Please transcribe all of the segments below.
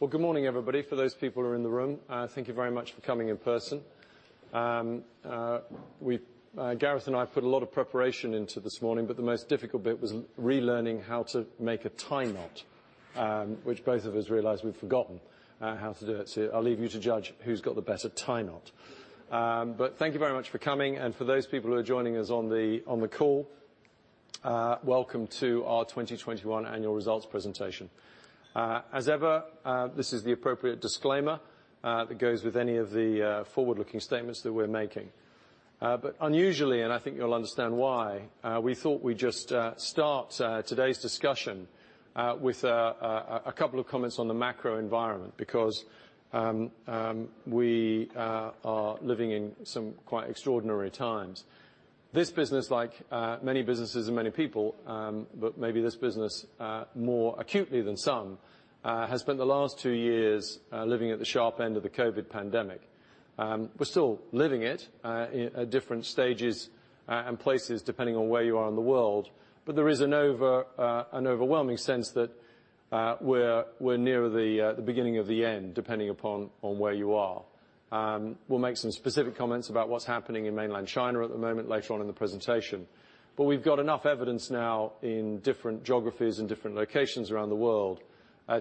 Well, good morning, everybody. For those people who are in the room, thank you very much for coming in person. Gareth and I put a lot of preparation into this morning, but the most difficult bit was relearning how to make a tie knot, which both of us realized we've forgotten, how to do it. I'll leave you to judge who's got the better tie knot. Thank you very much for coming, and for those people who are joining us on the call, welcome to our 2021 annual results presentation. As ever, this is the appropriate disclaimer that goes with any of the forward-looking statements that we're making. Unusually, and I think you'll understand why, we thought we'd just start today's discussion with a couple of comments on the macro environment because we are living in some quite extraordinary times. This business, like many businesses and many people, but maybe this business more acutely than some, has spent the last two years living at the sharp end of the COVID pandemic. We're still living it at different stages and places depending on where you are in the world. There is an overwhelming sense that we're near the beginning of the end, depending upon where you are. We'll make some specific comments about what's happening in Mainland China at the moment later on in the presentation. We've got enough evidence now in different geographies and different locations around the world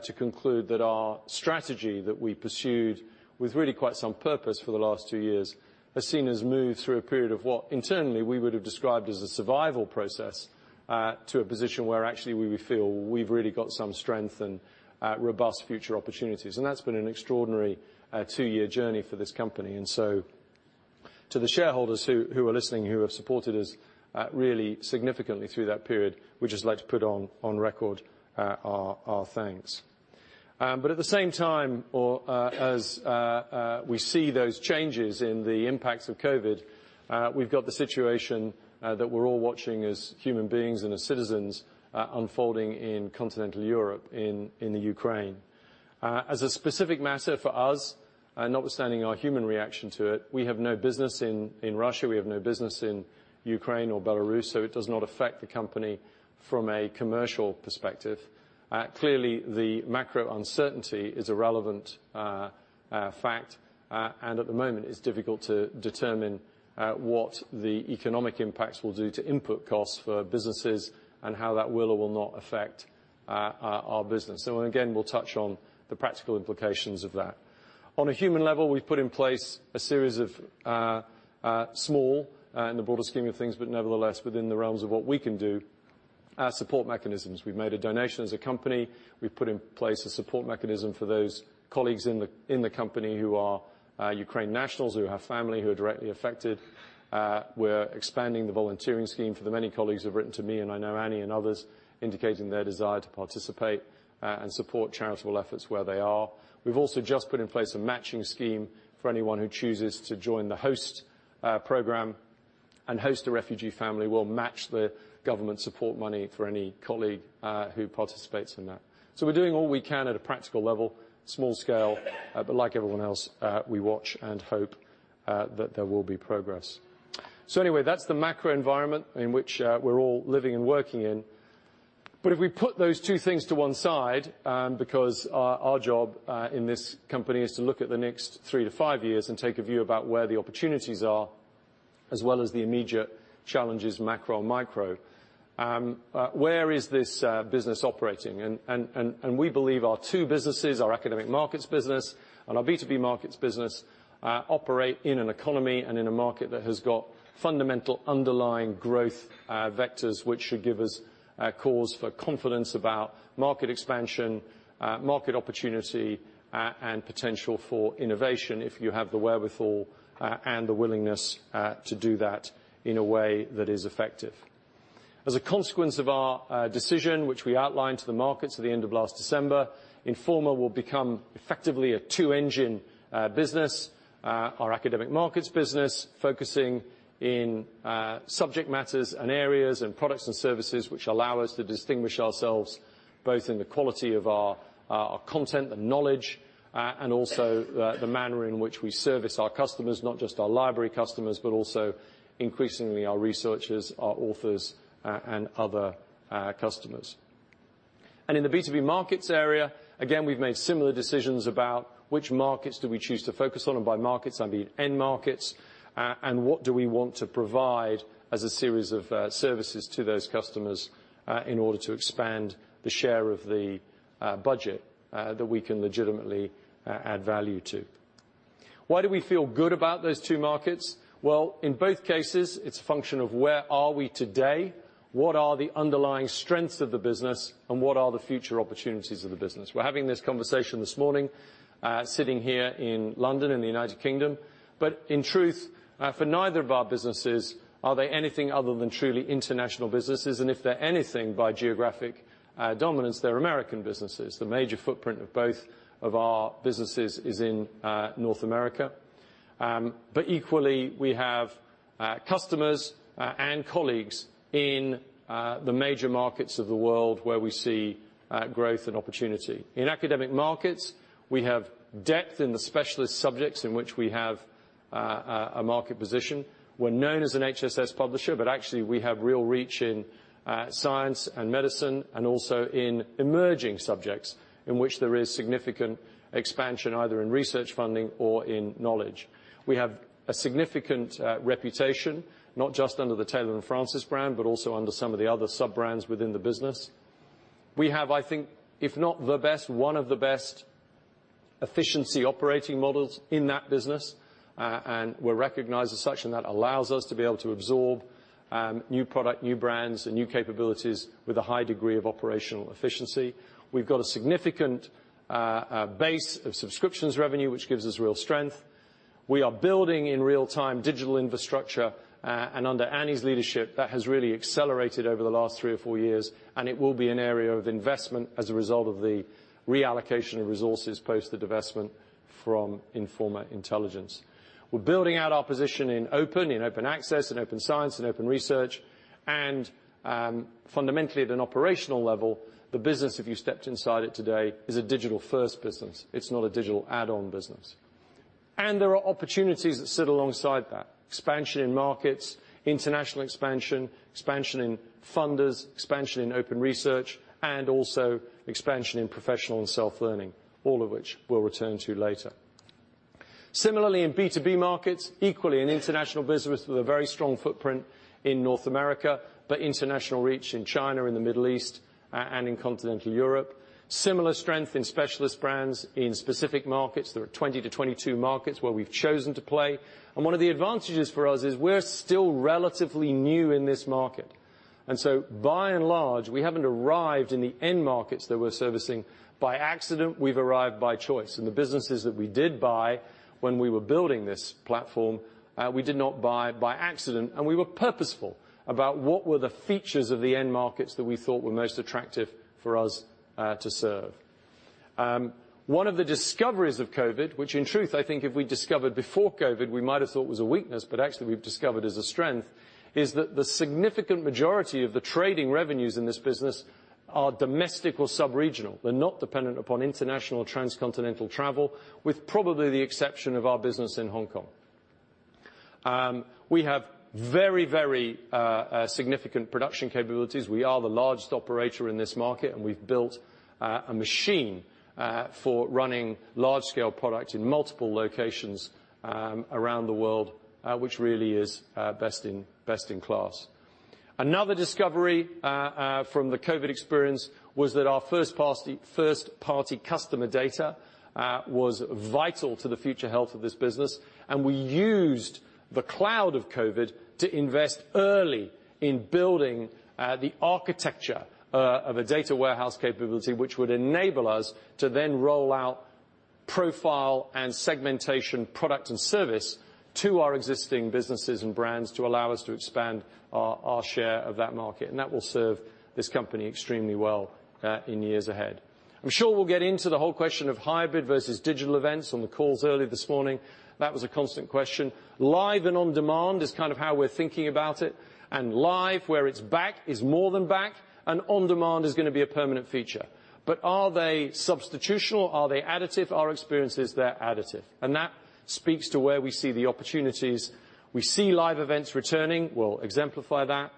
to conclude that our strategy that we pursued with really quite some purpose for the last two years has seen us move through a period of what internally we would have described as a survival process to a position where actually we feel we've really got some strength and robust future opportunities. That's been an extraordinary two-year journey for this company. To the shareholders who are listening, who have supported us really significantly through that period, we'd just like to put on record our thanks. At the same time, we see those changes in the impacts of COVID. We've got the situation that we're all watching as human beings and as citizens unfolding in continental Europe in the Ukraine. As a specific matter for us, notwithstanding our human reaction to it, we have no business in Russia. We have no business in Ukraine or Belarus, so it does not affect the company from a commercial perspective. Clearly, the macro uncertainty is a relevant fact, and at the moment it's difficult to determine what the economic impacts will do to input costs for businesses and how that will or will not affect our business. Again, we'll touch on the practical implications of that. On a human level, we've put in place a series of small support mechanisms in the broader scheme of things, but nevertheless within the realms of what we can do. We've made a donation as a company. We've put in place a support mechanism for those colleagues in the company who are Ukrainian nationals, who have family who are directly affected. We're expanding the volunteering scheme for the many colleagues who have written to me, and I know Annie and others, indicating their desire to participate and support charitable efforts where they are. We've also just put in place a matching scheme for anyone who chooses to join the host program and host a refugee family. We'll match the government support money for any colleague who participates in that. We're doing all we can at a practical level, small scale, but like everyone else, we watch and hope that there will be progress. Anyway, that's the macro environment in which we're all living and working in. If we put those two things to one side, because our job in this company is to look at the next three to five years and take a view about where the opportunities are, as well as the immediate challenges, macro and micro, where is this business operating? We believe our two businesses, our academic markets business and our B2B markets business, operate in an economy and in a market that has got fundamental underlying growth vectors, which should give us cause for confidence about market expansion, market opportunity, and potential for innovation if you have the wherewithal and the willingness to do that in a way that is effective. As a consequence of our decision, which we outlined to the markets at the end of last December, Informa will become effectively a two-engine business. Our academic markets business focusing in subject matters and areas and products and services which allow us to distinguish ourselves both in the quality of our content, the knowledge, and also the manner in which we service our customers, not just our library customers, but also increasingly our researchers, our authors, and other customers. In the B2B markets area, again, we've made similar decisions about which markets do we choose to focus on, and by markets, I mean end markets, and what do we want to provide as a series of services to those customers in order to expand the share of the budget that we can legitimately add value to. Why do we feel good about those two markets? Well, in both cases, it's a function of where are we today, what are the underlying strengths of the business, and what are the future opportunities of the business. We're having this conversation this morning, sitting here in London, in the United Kingdom. In truth, for neither of our businesses are they anything other than truly international businesses. If they're anything by geographic dominance, they're American businesses. The major footprint of both of our businesses is in North America. Equally, we have customers and colleagues in the major markets of the world where we see growth and opportunity. In academic markets, we have depth in the specialist subjects in which we have a market position. We're known as an HSS publisher, but actually we have real reach in science and medicine, and also in emerging subjects in which there is significant expansion, either in research funding or in knowledge. We have a significant reputation, not just under the Taylor & Francis brand, but also under some of the other sub-brands within the business. We have, I think, if not the best, one of the best efficiency operating models in that business. We're recognized as such, and that allows us to be able to absorb new product, new brands, and new capabilities with a high degree of operational efficiency. We've got a significant base of subscriptions revenue, which gives us real strength. We are building in real-time digital infrastructure, and under Annie's leadership, that has really accelerated over the last three or four years, and it will be an area of investment as a result of the reallocation of resources post the divestment from Informa Intelligence. We're building out our position in open access, in open science, in open research. Fundamentally at an operational level, the business, if you stepped inside it today, is a digital-first business. It's not a digital add-on business. There are opportunities that sit alongside that, expansion in markets, international expansion in funders, expansion in open research, and also expansion in professional and self-learning, all of which we'll return to later. Similarly in B2B markets, equally an international business with a very strong footprint in North America, but international reach in China, in the Middle East, and in Continental Europe. Similar strength in specialist brands in specific markets. There are 20-22 markets where we've chosen to play. One of the advantages for us is we're still relatively new in this market. By and large, we haven't arrived in the end markets that we're servicing by accident. We've arrived by choice. The businesses that we did buy when we were building this platform, we did not buy by accident, and we were purposeful about what were the features of the end markets that we thought were most attractive for us, to serve. One of the discoveries of COVID, which in truth, I think if we discovered before COVID, we might have thought was a weakness, but actually we've discovered is a strength, is that the significant majority of the trading revenues in this business are domestic or sub-regional. They're not dependent upon international transcontinental travel, with probably the exception of our business in Hong Kong. We have very significant production capabilities. We are the largest operator in this market, and we've built a machine for running large-scale product in multiple locations around the world, which really is best in class. Another discovery from the COVID experience was that our first-party customer data was vital to the future health of this business, and we used the cloud of COVID to invest early in building the architecture of a data warehouse capability, which would enable us to then roll out profile and segmentation product and service to our existing businesses and brands to allow us to expand our share of that market. That will serve this company extremely well in years ahead. I'm sure we'll get into the whole question of hybrid versus digital events. On the calls earlier this morning, that was a constant question. Live and on-demand is kind of how we're thinking about it, and live, where it's back, is more than back, and on-demand is gonna be a permanent feature. But are they substitutional? Are they additive? Our experience is they're additive, and that speaks to where we see the opportunities. We see live events returning. We'll exemplify that.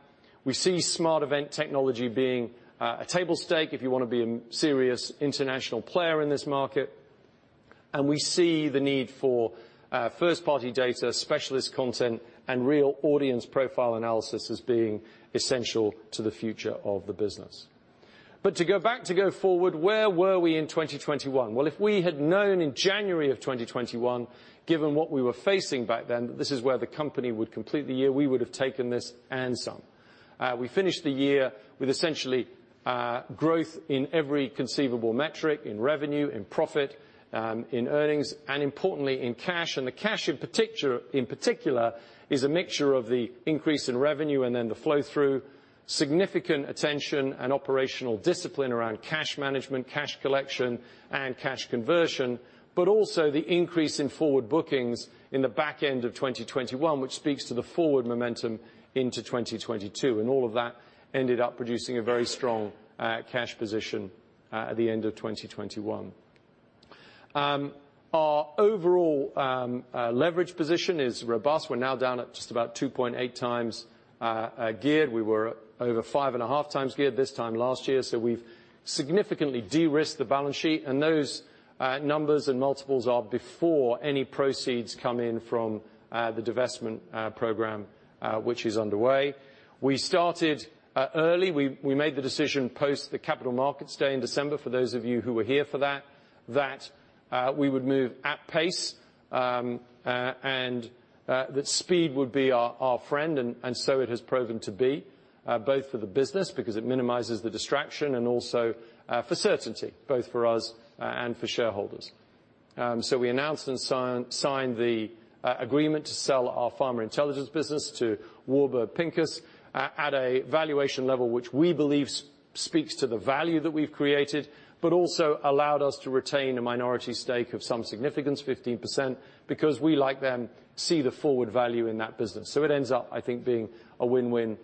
We see smart event technology being a table stake if you wanna be a serious international player in this market. We see the need for first-party data, specialist content, and real audience profile analysis as being essential to the future of the business. To go back to go forward, where were we in 2021? Well, if we had known in January of 2021, given what we were facing back then, that this is where the company would complete the year, we would have taken this and some. We finished the year with essentially growth in every conceivable metric, in revenue, in profit, in earnings, and importantly, in cash. The cash in particular is a mixture of the increase in revenue and then the flow-through, significant attention and operational discipline around cash management, cash collection, and cash conversion, but also the increase in forward bookings in the back end of 2021, which speaks to the forward momentum into 2022. All of that ended up producing a very strong cash position at the end of 2021. Our overall leverage position is robust. We're now down at just about 2.8 times geared. We were over 5.5 times geared this time last year. We've significantly de-risked the balance sheet, and those numbers and multiples are before any proceeds come in from the divestment program, which is underway. We started early. We made the decision post the Capital Markets Day in December, for those of you who were here for that we would move at pace, and that speed would be our friend. It has proven to be both for the business, because it minimizes the distraction, and also for certainty, both for us and for shareholders. We announced and signed the agreement to sell our Pharma Intelligence business to Warburg Pincus at a valuation level, which we believe speaks to the value that we've created, but also allowed us to retain a minority stake of some significance, 15%, because we, like them, see the forward value in that business. It ends up, I think, being a win-win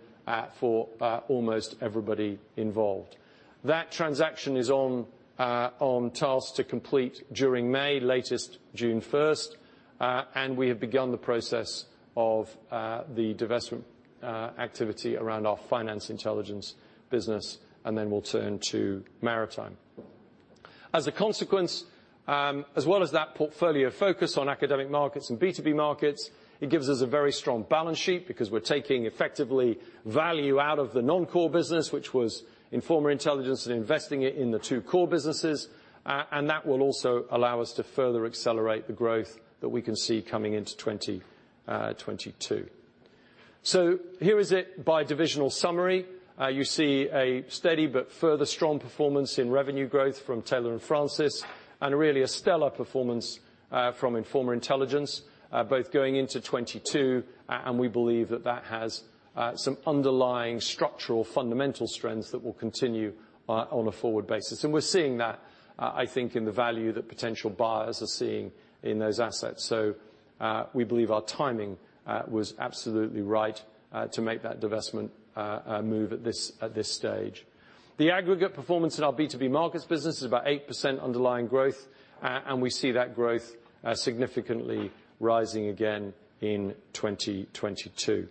for almost everybody involved. That transaction is on task to complete during May, latest June 1. We have begun the process of the divestment activity around our Financial Intelligence business, and then we'll turn to Maritime. As a consequence, as well as that portfolio focus on academic markets and B2B markets, it gives us a very strong balance sheet because we're taking effectively value out of the non-core business, which was Informa Intelligence and investing it in the two core businesses. That will also allow us to further accelerate the growth that we can see coming into 2022. Here it is by divisional summary. You see a steady but further strong performance in revenue growth from Taylor & Francis and really a stellar performance from Informa Intelligence, both going into 2022. We believe that has some underlying structural fundamental strengths that will continue on a forward basis. We're seeing that, I think in the value that potential buyers are seeing in those assets. We believe our timing was absolutely right to make that divestment move at this stage. The aggregate performance in our B2B markets business is about 8% underlying growth. We see that growth significantly rising again in 2022.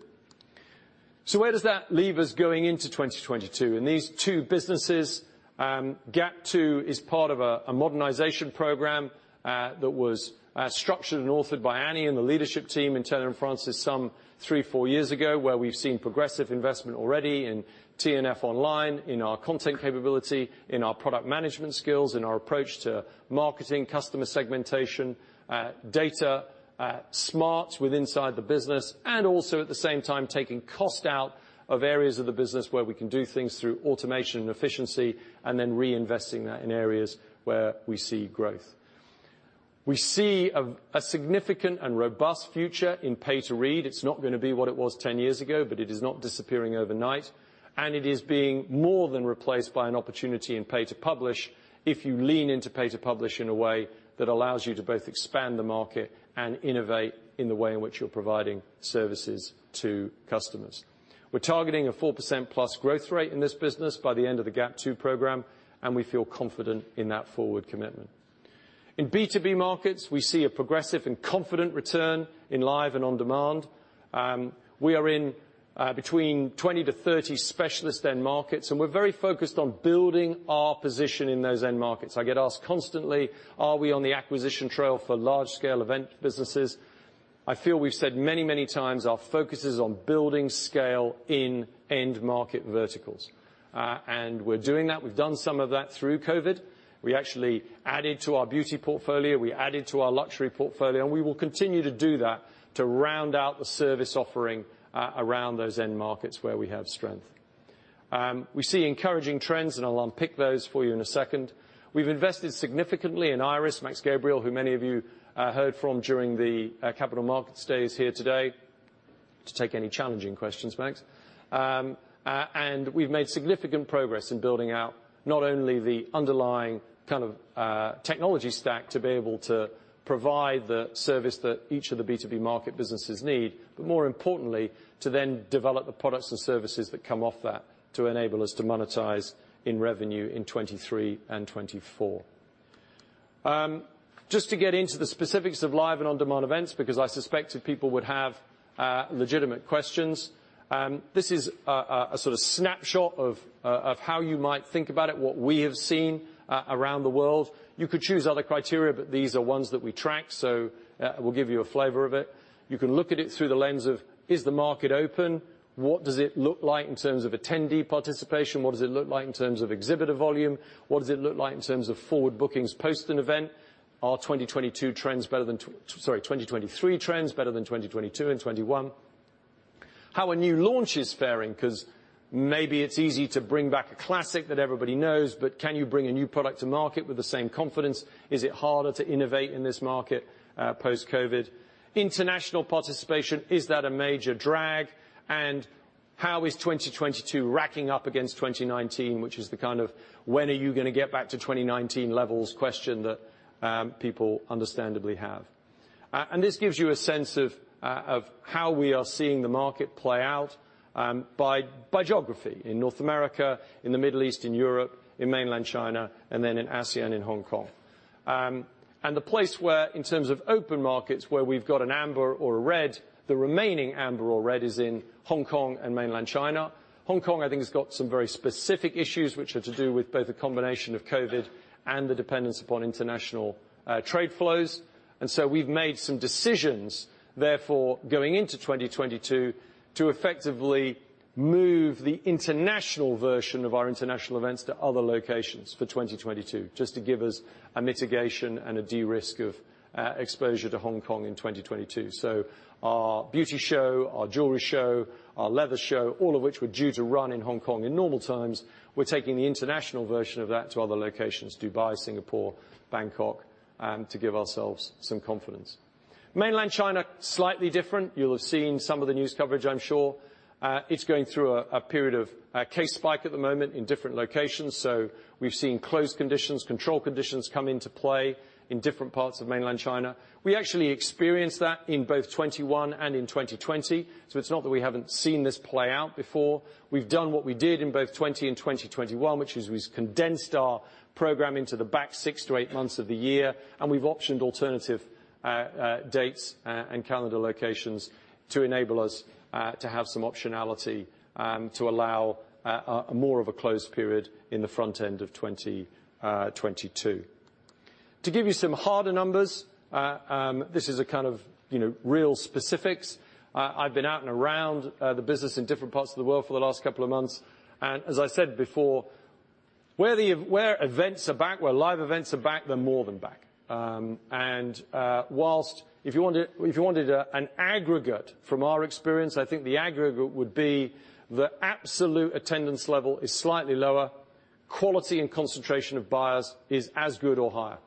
Where does that leave us going into 2022? In these two businesses, GAP 2 is part of a modernization program that was structured and authored by Annie and the leadership team in Taylor & Francis some three, four years ago, where we've seen progressive investment already in T&F Online, in our content capability, in our product management skills, in our approach to marketing, customer segmentation, data smarts within the business, and also at the same time, taking cost out of areas of the business where we can do things through automation and efficiency and then reinvesting that in areas where we see growth. We see a significant and robust future in pay-to-read. It's not gonna be what it was 10 years ago, but it is not disappearing overnight. It is being more than replaced by an opportunity in pay-to-publish if you lean into pay to publish in a way that allows you to both expand the market and innovate in the way in which you're providing services to customers. We're targeting a 4%+ growth rate in this business by the end of the GAP 2 program, and we feel confident in that forward commitment. In B2B markets, we see a progressive and confident return in live and on-demand. We are in between 20-30 specialist end markets, and we're very focused on building our position in those end markets. I get asked constantly, are we on the acquisition trail for large-scale event businesses? I feel we've said many, many times our focus is on building scale in end market verticals. We're doing that. We've done some of that through COVID. We actually added to our beauty portfolio, we added to our luxury portfolio, and we will continue to do that to round out the service offering around those end markets where we have strength. We see encouraging trends, and I'll unpick those for you in a second. We've invested significantly in IIRIS, Max Gabriel, who many of you heard from during the capital markets days here today, to take any challenging questions, Max. And we've made significant progress in building out not only the underlying kind of technology stack to be able to provide the service that each of the B2B market businesses need, but more importantly, to then develop the products and services that come off that to enable us to monetize in revenue in 2023 and 2024. Just to get into the specifics of live and on-demand events, because I suspected people would have legitimate questions, this is a sort of snapshot of how you might think about it, what we have seen around the world. You could choose other criteria, but these are ones that we track, so we'll give you a flavor of it. You can look at it through the lens of, is the market open? What does it look like in terms of attendee participation? What does it look like in terms of exhibitor volume? What does it look like in terms of forward bookings post an event? Are 2022 trends better than, sorry, 2023 trends better than 2022 and 2021? How is a new launch faring, 'cause maybe it's easy to bring back a classic that everybody knows, but can you bring a new product to market with the same confidence? Is it harder to innovate in this market post-COVID? International participation, is that a major drag? How is 2022 racking up against 2019, which is the kind of when are you gonna get back to 2019 levels question that people understandably have. This gives you a sense of how we are seeing the market play out by geography in North America, in the Middle East, in Europe, in Mainland China, and then in ASEAN in Hong Kong. The place where, in terms of open markets, where we've got an amber or a red, the remaining amber or red is in Hong Kong and Mainland China. Hong Kong, I think, has got some very specific issues which are to do with both a combination of COVID and the dependence upon international trade flows. We've made some decisions, therefore, going into 2022 to effectively move the international version of our international events to other locations for 2022, just to give us a mitigation and a de-risk of exposure to Hong Kong in 2022. Our beauty show, our jewelry show, our leather show, all of which were due to run in Hong Kong in normal times, we're taking the international version of that to other locations, Dubai, Singapore, Bangkok, to give ourselves some confidence. Mainland China, slightly different. You'll have seen some of the news coverage, I'm sure. It's going through a period of a case spike at the moment in different locations. We've seen closed conditions, control conditions come into play in different parts of Mainland China. We actually experienced that in both 2021 and in 2020. It's not that we haven't seen this play out before. We've done what we did in both 2020 and 2021, which is we condensed our program into the back 6 to 8 months of the year, and we've optioned alternative dates and calendar locations to enable us to have some optionality to allow more of a closed period in the front end of 2022. To give you some harder numbers, this is a kind of, you know, real specifics. I've been out and around the business in different parts of the world for the last couple of months. As I said before, where events are back, where live events are back, they're more than back. Whilst if you wanted an aggregate from our experience, I think the aggregate would be the absolute attendance level is slightly lower, quality and concentration of buyers is as good or higher.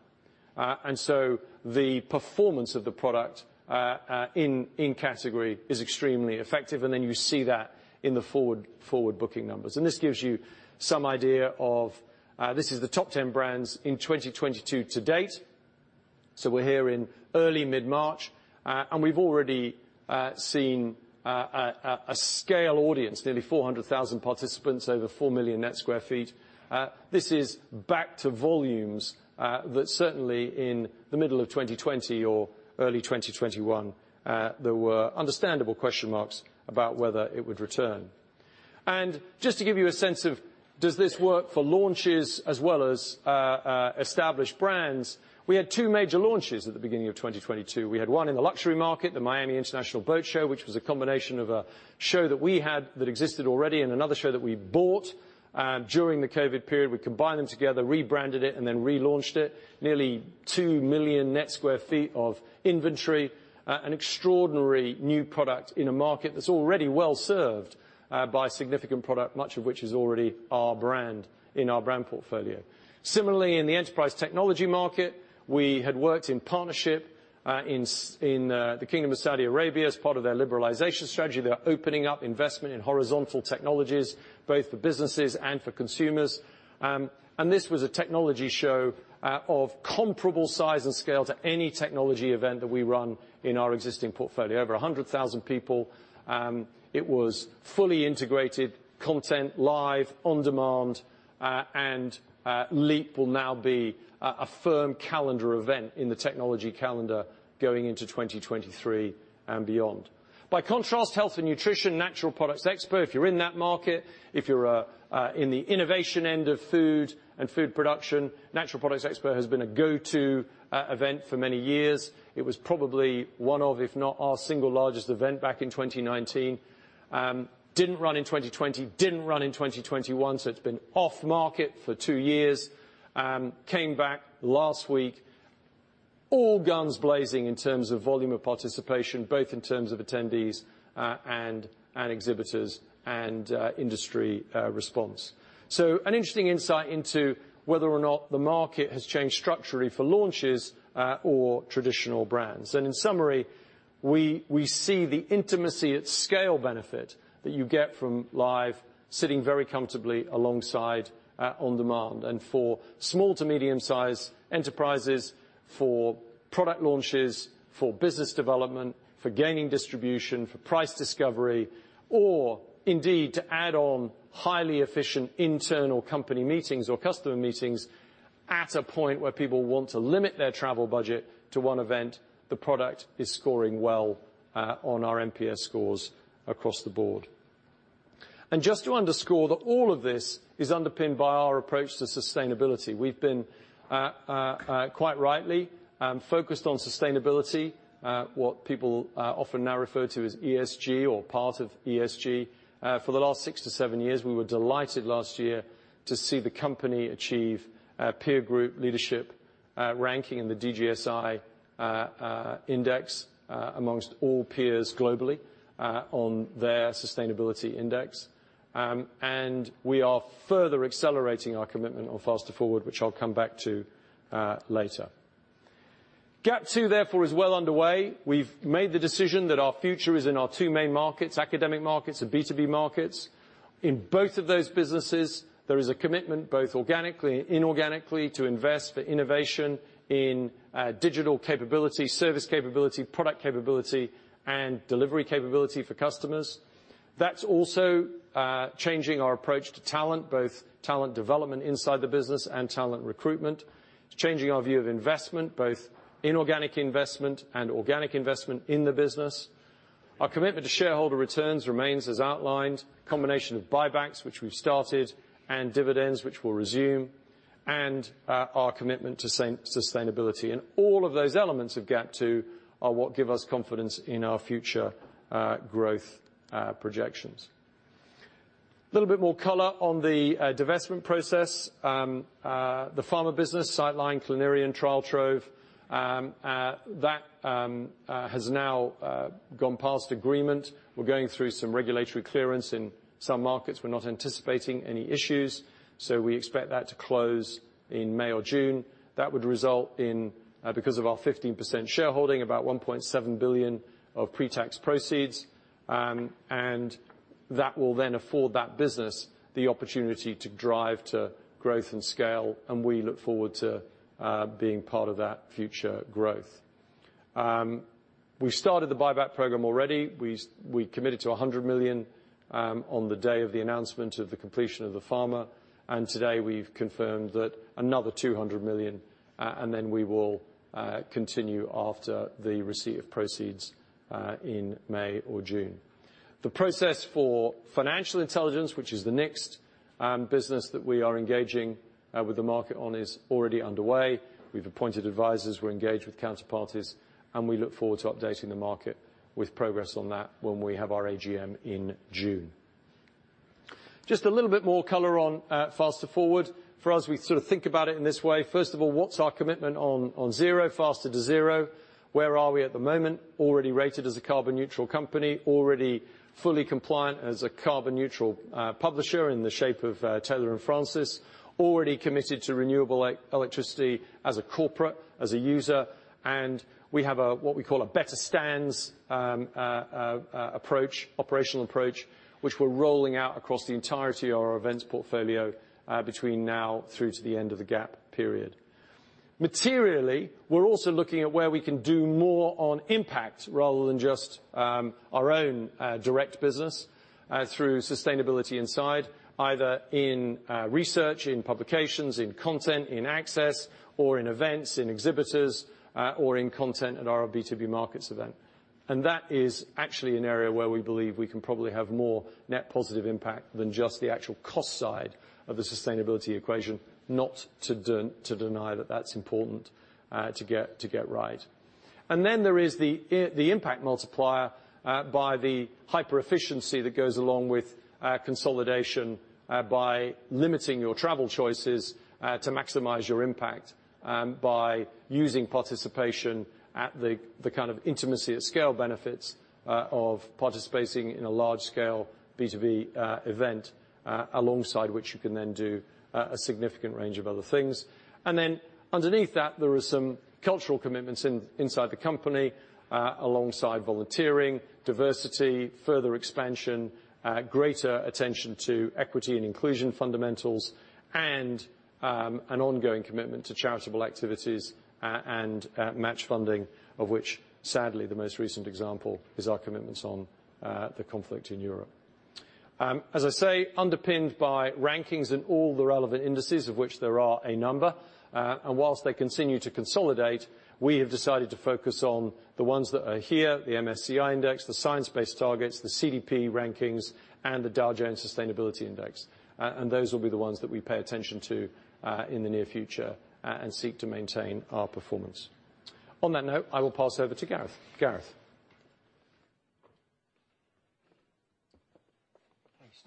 So the performance of the product in category is extremely effective. Then you see that in the forward booking numbers. This gives you some idea of this is the top 10 brands in 2022 to date. We're here in early mid-March. We've already seen a scale audience, nearly 400,000 participants, over 4 million net sq ft. This is back to volumes. That certainly in the middle of 2020 or early 2021, there were understandable question marks about whether it would return. Just to give you a sense of does this work for launches as well as established brands, we had two major launches at the beginning of 2022. We had one in the luxury market, the Miami International Boat Show, which was a combination of a show that we had that existed already and another show that we bought during the COVID period. We combined them together, rebranded it, and then relaunched it. Nearly 2 million net sq ft of inventory, an extraordinary new product in a market that's already well-served by significant product, much of which is already our brand in our brand portfolio. Similarly, in the enterprise technology market, we had worked in partnership in the Kingdom of Saudi Arabia as part of their liberalization strategy. They're opening up investment in horizontal technologies both for businesses and for consumers. This was a technology show of comparable size and scale to any technology event that we run in our existing portfolio. Over 100,000 people. It was fully integrated content, live, on-demand, and LEAP will now be a firm calendar event in the technology calendar going into 2023 and beyond. By contrast, health and nutrition, Natural Products Expo, if you're in that market, if you're in the innovation end of food and food production, Natural Products Expo has been a go-to event for many years. It was probably one of, if not our single largest event back in 2019. Didn't run in 2020, didn't run in 2021, so it's been off market for two years. Came back last week, all guns blazing in terms of volume of participation, both in terms of attendees, and exhibitors and industry response. An interesting insight into whether or not the market has changed structurally for launches or traditional brands. In summary, we see the intimacy at scale benefit that you get from live sitting very comfortably alongside on-demand. For small to medium-size enterprises, for product launches, for business development, for gaining distribution, for price discovery, or indeed to add on highly efficient internal company meetings or customer meetings at a point where people want to limit their travel budget to one event, the product is scoring well on our NPS scores across the board. Just to underscore that all of this is underpinned by our approach to sustainability. We've been quite rightly focused on sustainability, what people often now refer to as ESG or part of ESG, for the last six to seven years. We were delighted last year to see the company achieve a peer group leadership ranking in the DJSI Index among all peers globally on their sustainability index. We are further accelerating our commitment on FasterForward, which I'll come back to later. GAP 2, therefore, is well underway. We've made the decision that our future is in our two main markets, academic markets and B2B markets. In both of those businesses, there is a commitment, both organically and inorganically, to invest for innovation in digital capability, service capability, product capability, and delivery capability for customers. That's also changing our approach to talent, both talent development inside the business and talent recruitment. It's changing our view of investment, both inorganic investment and organic investment in the business. Our commitment to shareholder returns remains as outlined, a combination of buybacks, which we've started, and dividends, which we'll resume, and our commitment to sustainability. All of those elements of GAP 2 are what give us confidence in our future growth projections. Little bit more color on the divestment process. The pharma business, Citeline, Clinarion, Trialtrove, that has now gone past agreement. We're going through some regulatory clearance in some markets. We're not anticipating any issues, so we expect that to close in May or June. That would result in, because of our 15% shareholding, about £1.7 billion of pretax proceeds. That will then afford that business the opportunity to drive to growth and scale, and we look forward to being part of that future growth. We started the buyback program already. We committed to £100 million on the day of the announcement of the completion of the pharma. Today, we've confirmed that another 200 million, and then we will continue after the receipt of proceeds in May or June. The process for Informa Intelligence, which is the next business that we are engaging with the market on, is already underway. We've appointed advisors, we're engaged with counterparties, and we look forward to updating the market with progress on that when we have our AGM in June. Just a little bit more color on FasterForward. For us, we sort of think about it in this way. First of all, what's our commitment on faster to zero? Where are we at the moment? Already rated as a carbon neutral company, already fully compliant as a carbon neutral publisher in the shape of Taylor & Francis. Already committed to renewable electricity as a corporate, as a user, and we have what we call a Better Stands approach, operational approach, which we're rolling out across the entirety of our events portfolio, between now through to the end of the GAP period. Materially, we're also looking at where we can do more on impact rather than just our own direct business through sustainability initiatives, either in research, in publications, in content, in access, or in events, in exhibitors, or in content in our B2B markets event. That is actually an area where we believe we can probably have more net positive impact than just the actual cost side of the sustainability equation, not to deny that that's important to get right. There is the impact multiplier by the hyper-efficiency that goes along with consolidation by limiting your travel choices to maximize your impact by using participation at the kind of intimacy and scale benefits of participating in a large scale B2B event alongside which you can then do a significant range of other things. Underneath that, there are some cultural commitments inside the company alongside volunteering, diversity, further expansion, greater attention to equity and inclusion fundamentals, and an ongoing commitment to charitable activities and match funding, of which sadly the most recent example is our commitments on the conflict in Europe. As I say, underpinned by rankings in all the relevant indices, of which there are a number. While they continue to consolidate, we have decided to focus on the ones that are here, the MSCI Index, the Science Based Targets, the CDP rankings, and the Dow Jones Sustainability Index. Those will be the ones that we pay attention to in the near future and seek to maintain our performance. On that note, I will pass over to Gareth. Gareth?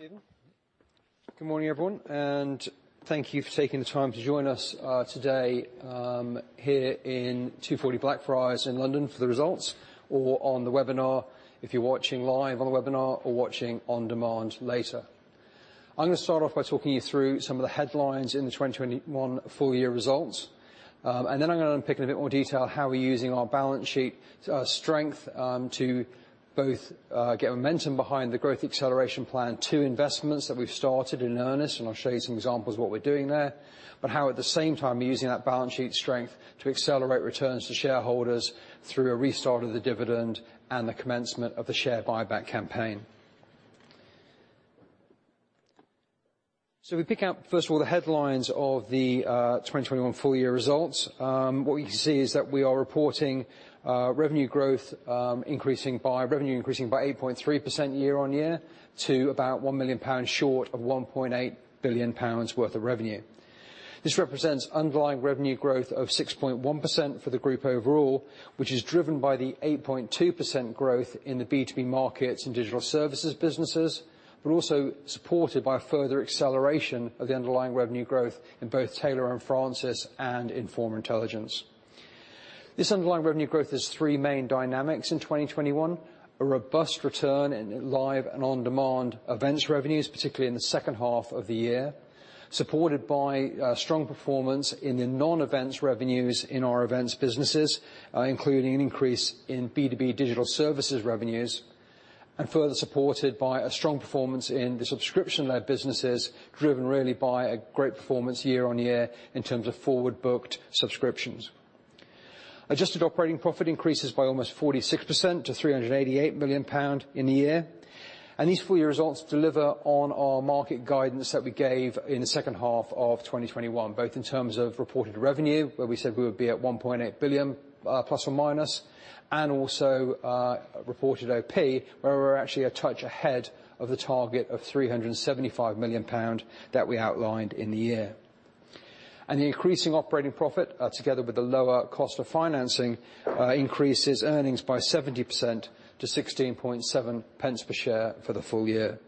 Thanks, Stephen. Good morning, everyone, and thank you for taking the time to join us today here in 240 Blackfriars in London for the results or on the webinar if you're watching live on the webinar or watching on demand later. I'm gonna start off by talking you through some of the headlines in the 2021 full year results. I'm gonna dive in a bit more detail how we're using our balance sheet strength to both get momentum behind the Growth Acceleration Plan II investments that we've started in earnest, and I'll show you some examples of what we're doing there. How at the same time we're using that balance sheet strength to accelerate returns to shareholders through a restart of the dividend and the commencement of the share buyback campaign. We pick out, first of all, the headlines of the 2021 full year results. What we can see is that we are reporting revenue increasing by 8.3% year-on-year to about 1 million pounds short of 1.8 billion pounds worth of revenue. This represents underlying revenue growth of 6.1% for the group overall, which is driven by the 8.2% growth in the B2B markets and digital services businesses, but also supported by further acceleration of the underlying revenue growth in both Taylor & Francis and in Informa Intelligence. This underlying revenue growth has three main dynamics in 2021. A robust return in live and on-demand events revenues, particularly in the second half of the year, supported by strong performance in the non-events revenues in our events businesses, including an increase in B2B digital services revenues, and further supported by a strong performance in the subscription-led businesses, driven really by a great performance year-on-year in terms of forward booked subscriptions. Adjusted operating profit increases by almost 46% to 388 million pound in the year. These full year results deliver on our market guidance that we gave in the second half of 2021, both in terms of reported revenue, where we said we would be at 1.8 billion, plus or minus, and also reported OP, where we're actually a touch ahead of the target of 375 million pound that we outlined in the year. The increasing operating profit, together with the lower cost of financing, increases earnings by 70% to 0.167 per share for the full year.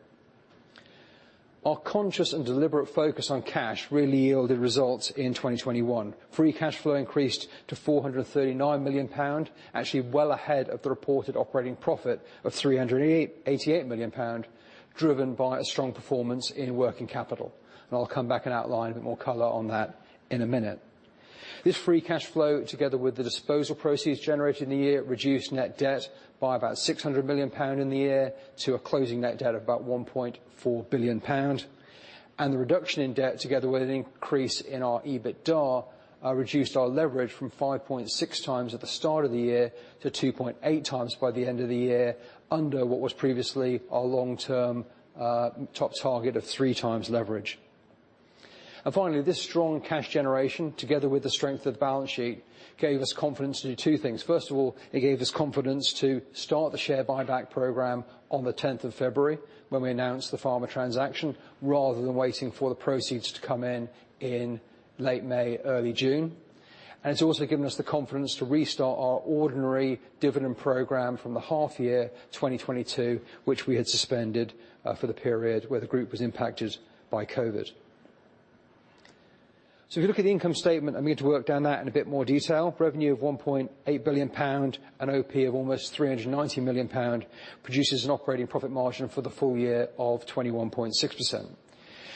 Our conscious and deliberate focus on cash really yielded results in 2021. Free cash flow increased to 439 million pound, actually well ahead of the reported operating profit of 388 million pound, driven by a strong performance in working capital. I'll come back and outline a bit more color on that in a minute. This free cash flow, together with the disposal proceeds generated in the year, reduced net debt by about 600 million pound in the year to a closing net debt of about 1.4 billion pound. The reduction in debt, together with an increase in our EBITDA, reduced our leverage from 5.6x at the start of the year to 2.8x by the end of the year under what was previously our long-term top target of 3x leverage. Finally, this strong cash generation, together with the strength of the balance sheet, gave us confidence to do two things. First of all, it gave us confidence to start the share buyback program on the tenth of February, when we announced the Pharma transaction, rather than waiting for the proceeds to come in in late May, early June. It's also given us the confidence to restart our ordinary dividend program from the half year 2022, which we had suspended for the period where the group was impacted by COVID. So if you look at the income statement, I'm going to walk down that in a bit more detail. Revenue of 1.8 billion pound, and OP of almost 390 million pound produces an operating profit margin for the full year of 21.6%.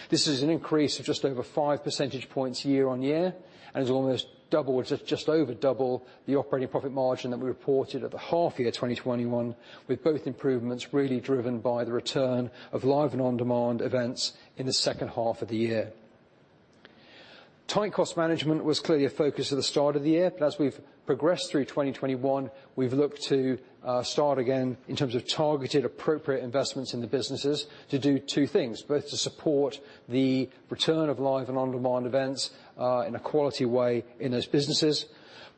This is an increase of just over five percentage points year-on-year, and is almost double, just over double the operating profit margin that we reported at the half year 2021, with both improvements really driven by the return of live and on-demand events in the second half of the year. Tight cost management was clearly a focus at the start of the year, but as we've progressed through 2021, we've looked to start again in terms of targeted appropriate investments in the businesses to do two things. Both to support the return of live and on-demand events in a quality way in those businesses,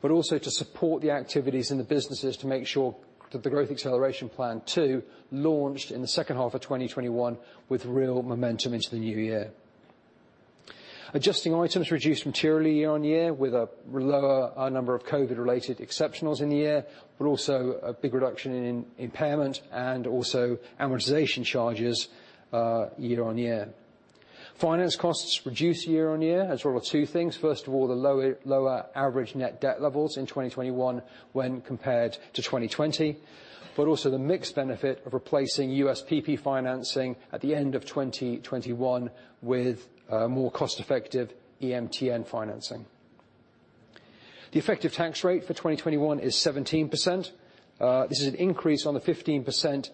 but also to support the activities in the businesses to make sure that the Growth Acceleration Plan 2 launched in the second half of 2021 with real momentum into the new year. Adjusting items reduced materially year-on-year with a lower number of COVID related exceptionals in the year, but also a big reduction in impairment and also amortization charges year-on-year. Finance costs reduced year-on-year as a result of two things. First of all, the lower average net debt levels in 2021 when compared to 2020, but also the mixed benefit of replacing USPP financing at the end of 2021 with more cost effective EMTN financing. The effective tax rate for 2021 is 17%. This is an increase on the 15%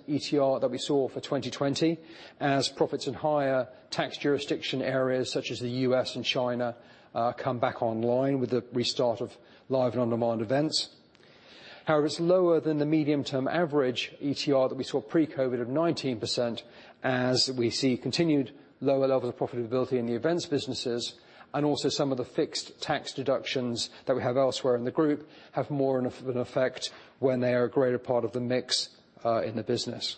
ETR that we saw for 2020 as profits in higher tax jurisdiction areas such as the U.S. and China come back online with the restart of live and on-demand events. However, it's lower than the medium-term average ETR that we saw pre-COVID of 19%, as we see continued lower levels of profitability in the events businesses, and also some of the fixed tax deductions that we have elsewhere in the group have more of an effect when they are a greater part of the mix in the business.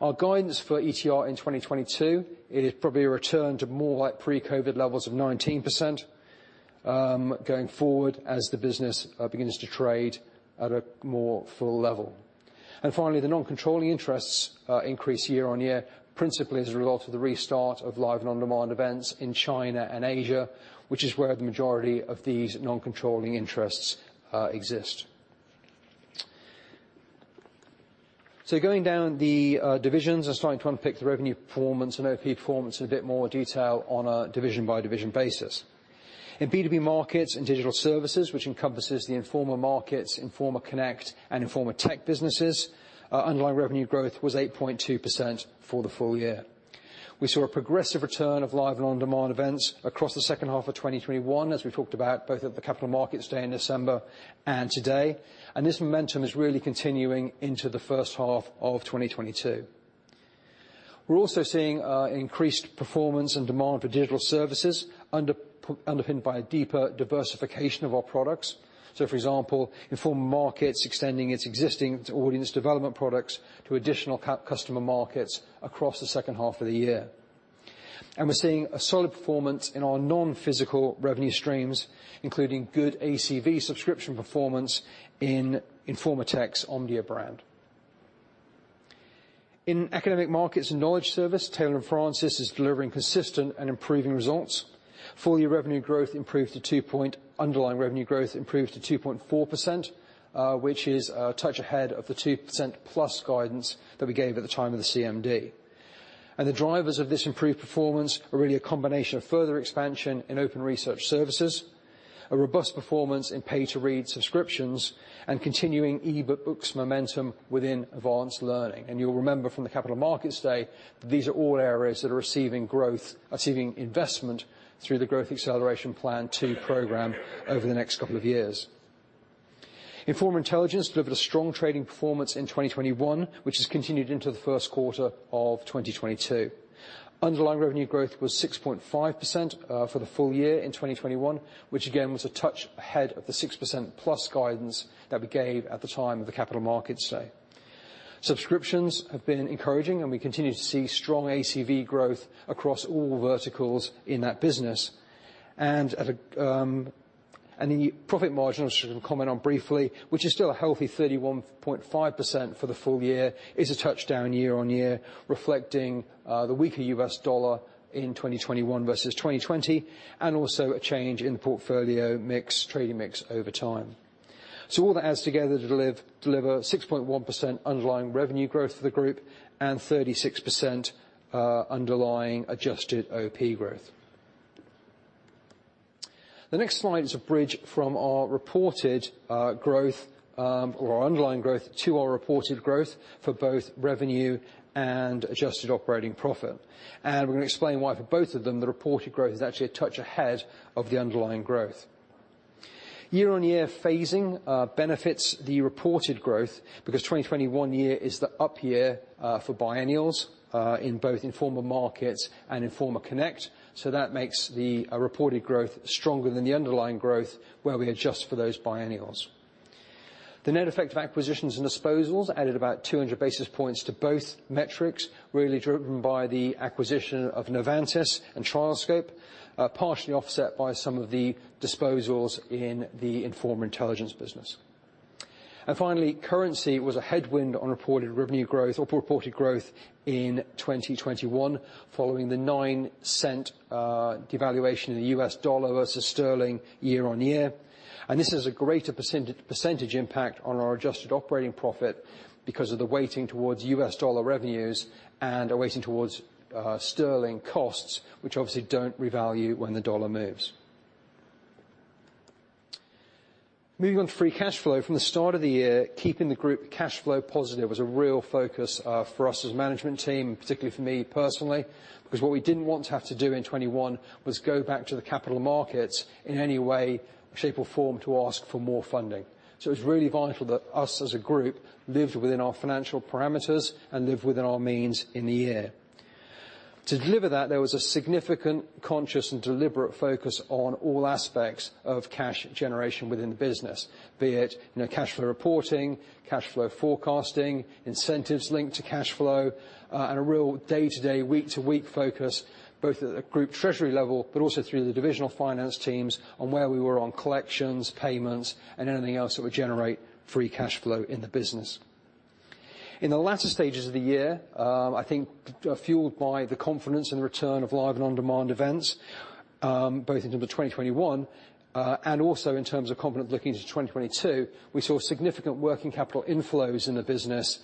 Our guidance for ETR in 2022 is probably a return to more like pre-COVID levels of 19% going forward as the business begins to trade at a more full level. Finally, the non-controlling interests increase year-over-year, principally as a result of the restart of live and on-demand events in China and Asia, which is where the majority of these non-controlling interests exist. Going down the divisions and starting to unpick the revenue performance and OP performance in a bit more detail on a division by division basis. In B2B markets and digital services, which encompasses the Informa Markets, Informa Connect, and Informa Tech businesses, underlying revenue growth was 8.2% for the full year. We saw a progressive return of live and on-demand events across the second half of 2021, as we talked about both at the Capital Markets Day in December and today. This momentum is really continuing into the first half of 2022. We're also seeing increased performance and demand for digital services underpinned by a deeper diversification of our products. For example, Informa Markets extending its existing audience development products to additional customer markets across the second half of the year. We're seeing a solid performance in our non-physical revenue streams, including good ACV subscription performance in Informa Tech's Omdia brand. In academic markets and knowledge service, Taylor & Francis is delivering consistent and improving results. Underlying revenue growth improved to 2.4%, which is a touch ahead of the 2%+ guidance that we gave at the time of the CMD. The drivers of this improved performance are really a combination of further expansion in open research services, a robust performance in pay-to-read subscriptions, and continuing e-book books momentum within advanced learning. You'll remember from the Capital Markets Day that these are all areas that are receiving growth, achieving investment through the Growth Acceleration Plan 2 program over the next couple of years. Informa Intelligence delivered a strong trading performance in 2021, which has continued into the first quarter of 2022. Underlying revenue growth was 6.5% for the full year in 2021, which again was a touch ahead of the 6%+ guidance that we gave at the time of the Capital Markets Day. Subscriptions have been encouraging, and we continue to see strong ACV growth across all verticals in that business. The profit margin, which I'll comment on briefly, which is still a healthy 31.5% for the full year, is a touch down year on year, reflecting the weaker US dollar in 2021 versus 2020, and also a change in portfolio mix, trading mix over time. All that adds together to deliver 6.1% underlying revenue growth for the group and 36% underlying adjusted OP growth. The next slide is a bridge from our reported growth or our underlying growth to our reported growth for both revenue and adjusted operating profit. We're gonna explain why for both of them, the reported growth is actually a touch ahead of the underlying growth. Year-on-year phasing benefits the reported growth because 2021 year is the up year for biennials in both Informa Markets and Informa Connect, so that makes the reported growth stronger than the underlying growth where we adjust for those biennials. The net effect of acquisitions and disposals added about 200 basis points to both metrics, really driven by the acquisition of Novantas and TrialScope, partially offset by some of the disposals in the Informa Intelligence business. Finally, currency was a headwind on reported revenue growth or reported growth in 2021 following the 9-cent devaluation of the U.S. dollar versus sterling year-on-year. This is a greater percentage impact on our adjusted operating profit because of the weighting towards US dollar revenues and a weighting towards sterling costs, which obviously don't revalue when the dollar moves. Moving on to free cash flow. From the start of the year, keeping the group cash flow positive was a real focus for us as a management team, particularly for me personally, because what we didn't want to have to do in 2021 was go back to the capital markets in any way, shape, or form to ask for more funding. It was really vital that us as a group lived within our financial parameters and lived within our means in the year. To deliver that, there was a significant conscious and deliberate focus on all aspects of cash generation within the business, be it, you know, cash flow reporting, cash flow forecasting, incentives linked to cash flow, and a real day-to-day, week-to-week focus, both at a group treasury level but also through the divisional finance teams on where we were on collections, payments, and anything else that would generate free cash flow in the business. In the latter stages of the year, I think, fueled by the confidence and return of live and on-demand events, both in 2021, and also in terms of confidence looking to 2022, we saw significant working capital inflows in the business,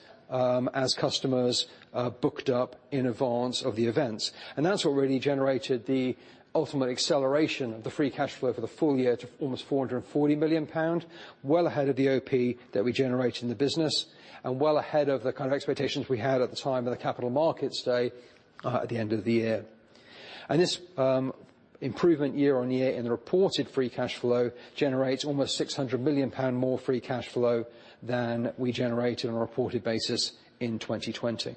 as customers, booked up in advance of the events. That's what really generated the ultimate acceleration of the free cash flow for the full year to almost 440 million pound, well ahead of the OP that we generate in the business and well ahead of the kind of expectations we had at the time of the capital markets day, at the end of the year. This improvement year-on-year in the reported free cash flow generates almost 600 million pound more free cash flow than we generated on a reported basis in 2020.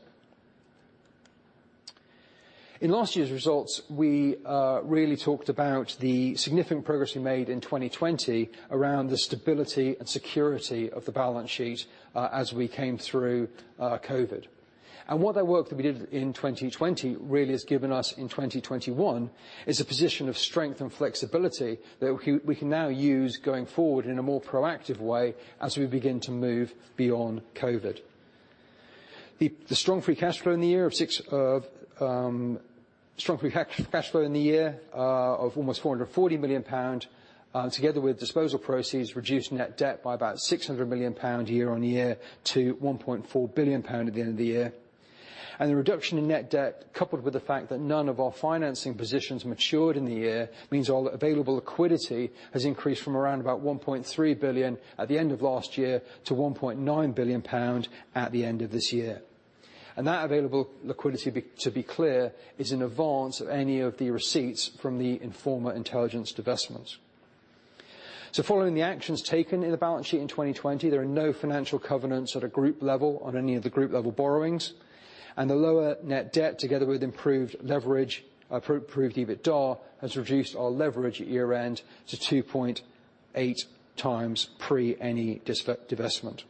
In last year's results, we really talked about the significant progress we made in 2020 around the stability and security of the balance sheet, as we came through COVID. What that work that we did in 2020 really has given us in 2021 is a position of strength and flexibility that we can now use going forward in a more proactive way as we begin to move beyond COVID. The strong free cash flow in the year of almost 440 million pound, together with disposal proceeds, reduced net debt by about 600 million pound year-on-year to 1.4 billion pound at the end of the year. The reduction in net debt, coupled with the fact that none of our financing positions matured in the year, means all available liquidity has increased from around about 1.3 billion at the end of last year to 1.9 billion pound at the end of this year. That available liquidity, to be clear, is in advance of any of the receipts from the Informa Intelligence divestment. Following the actions taken in the balance sheet in 2020, there are no financial covenants at a group level on any of the group level borrowings. The lower net debt, together with improved leverage, improved EBITDA, has reduced our leverage at year-end to 2.8 times pre any divestment.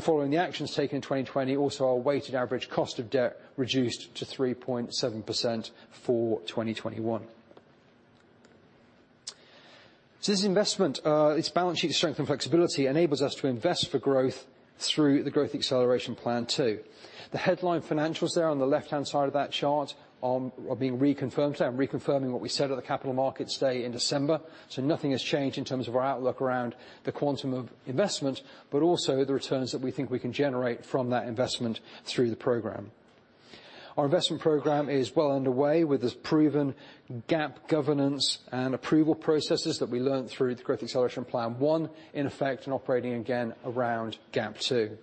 Following the actions taken in 2020, also our weighted average cost of debt reduced to 3.7% for 2021. This investment, its balance sheet strength and flexibility enables us to invest for growth through the Growth Acceleration Plan 2. The headline financials there on the left-hand side of that chart are being reconfirmed today. I'm reconfirming what we said at the Capital Markets Day in December, nothing has changed in terms of our outlook around the quantum of investment, but also the returns that we think we can generate from that investment through the program. Our investment program is well underway with its proven GAP governance and approval processes that we learned through the Growth Acceleration Plan 1, in effect and operating again around GAP 2.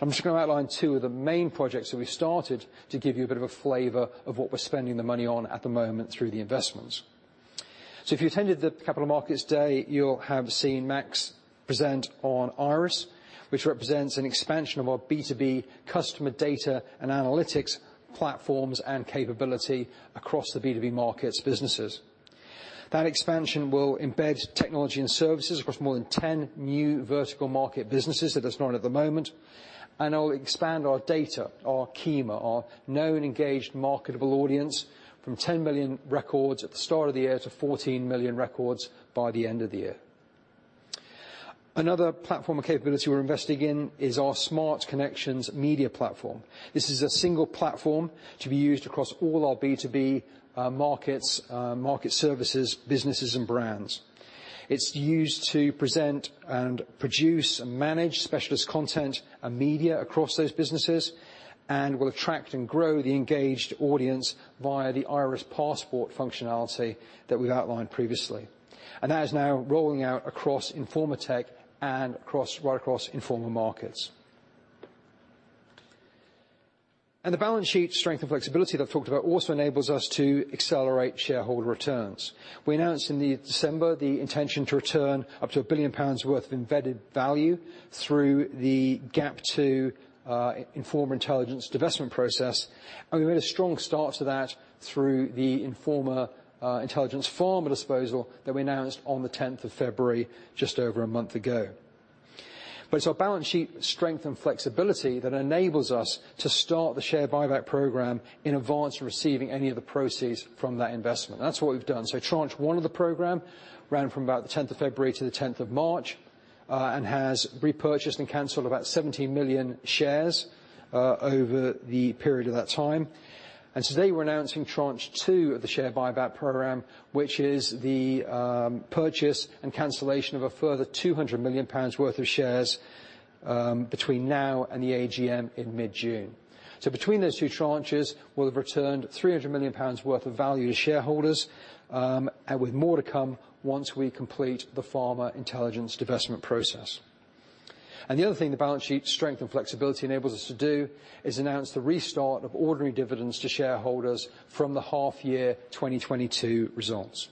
I'm just gonna outline 2 of the main projects that we started to give you a bit of a flavor of what we're spending the money on at the moment through the investments. If you attended the capital markets day, you'll have seen Max present on IIRIS, which represents an expansion of our B2B customer data and analytics platforms and capability across the B2B markets businesses. That expansion will embed technology and services across more than 10 new vertical market businesses that there's not at the moment, and it'll expand our data, our KEMA, our known engaged marketable audience, from 10 million records at the start of the year to 14 million records by the end of the year. Another platform and capability we're investing in is our Smart Connections media platform. This is a single platform to be used across all our B2B markets, market services, businesses, and brands. It's used to present and produce and manage specialist content and media across those businesses and will attract and grow the engaged audience via the IIRIS Passport functionality that we've outlined previously. That is now rolling out across Informa Tech and across, right across Informa Markets. The balance sheet strength and flexibility that I've talked about also enables us to accelerate shareholder returns. We announced in December the intention to return up to 1 billion pounds worth of embedded value through the GAP 2 Informa Intelligence divestment process. We made a strong start to that through the Pharma Intelligence disposal that we announced on the 10th of February just over a month ago. It's our balance sheet strength and flexibility that enables us to start the share buyback program in advance of receiving any of the proceeds from that investment. That's what we've done. Tranche one of the program ran from about the 10th of February to the 10th of March and has repurchased and canceled about 70 million shares over the period of that time. Today we're announcing tranche two of the share buyback program, which is the purchase and cancellation of a further 200 million pounds worth of shares between now and the AGM in mid-June. Between those two tranches, we'll have returned 300 million pounds worth of value to shareholders and with more to come once we complete the Informa Intelligence divestment process. The other thing the balance sheet strength and flexibility enables us to do is announce the restart of ordinary dividends to shareholders from the half year 2022 results.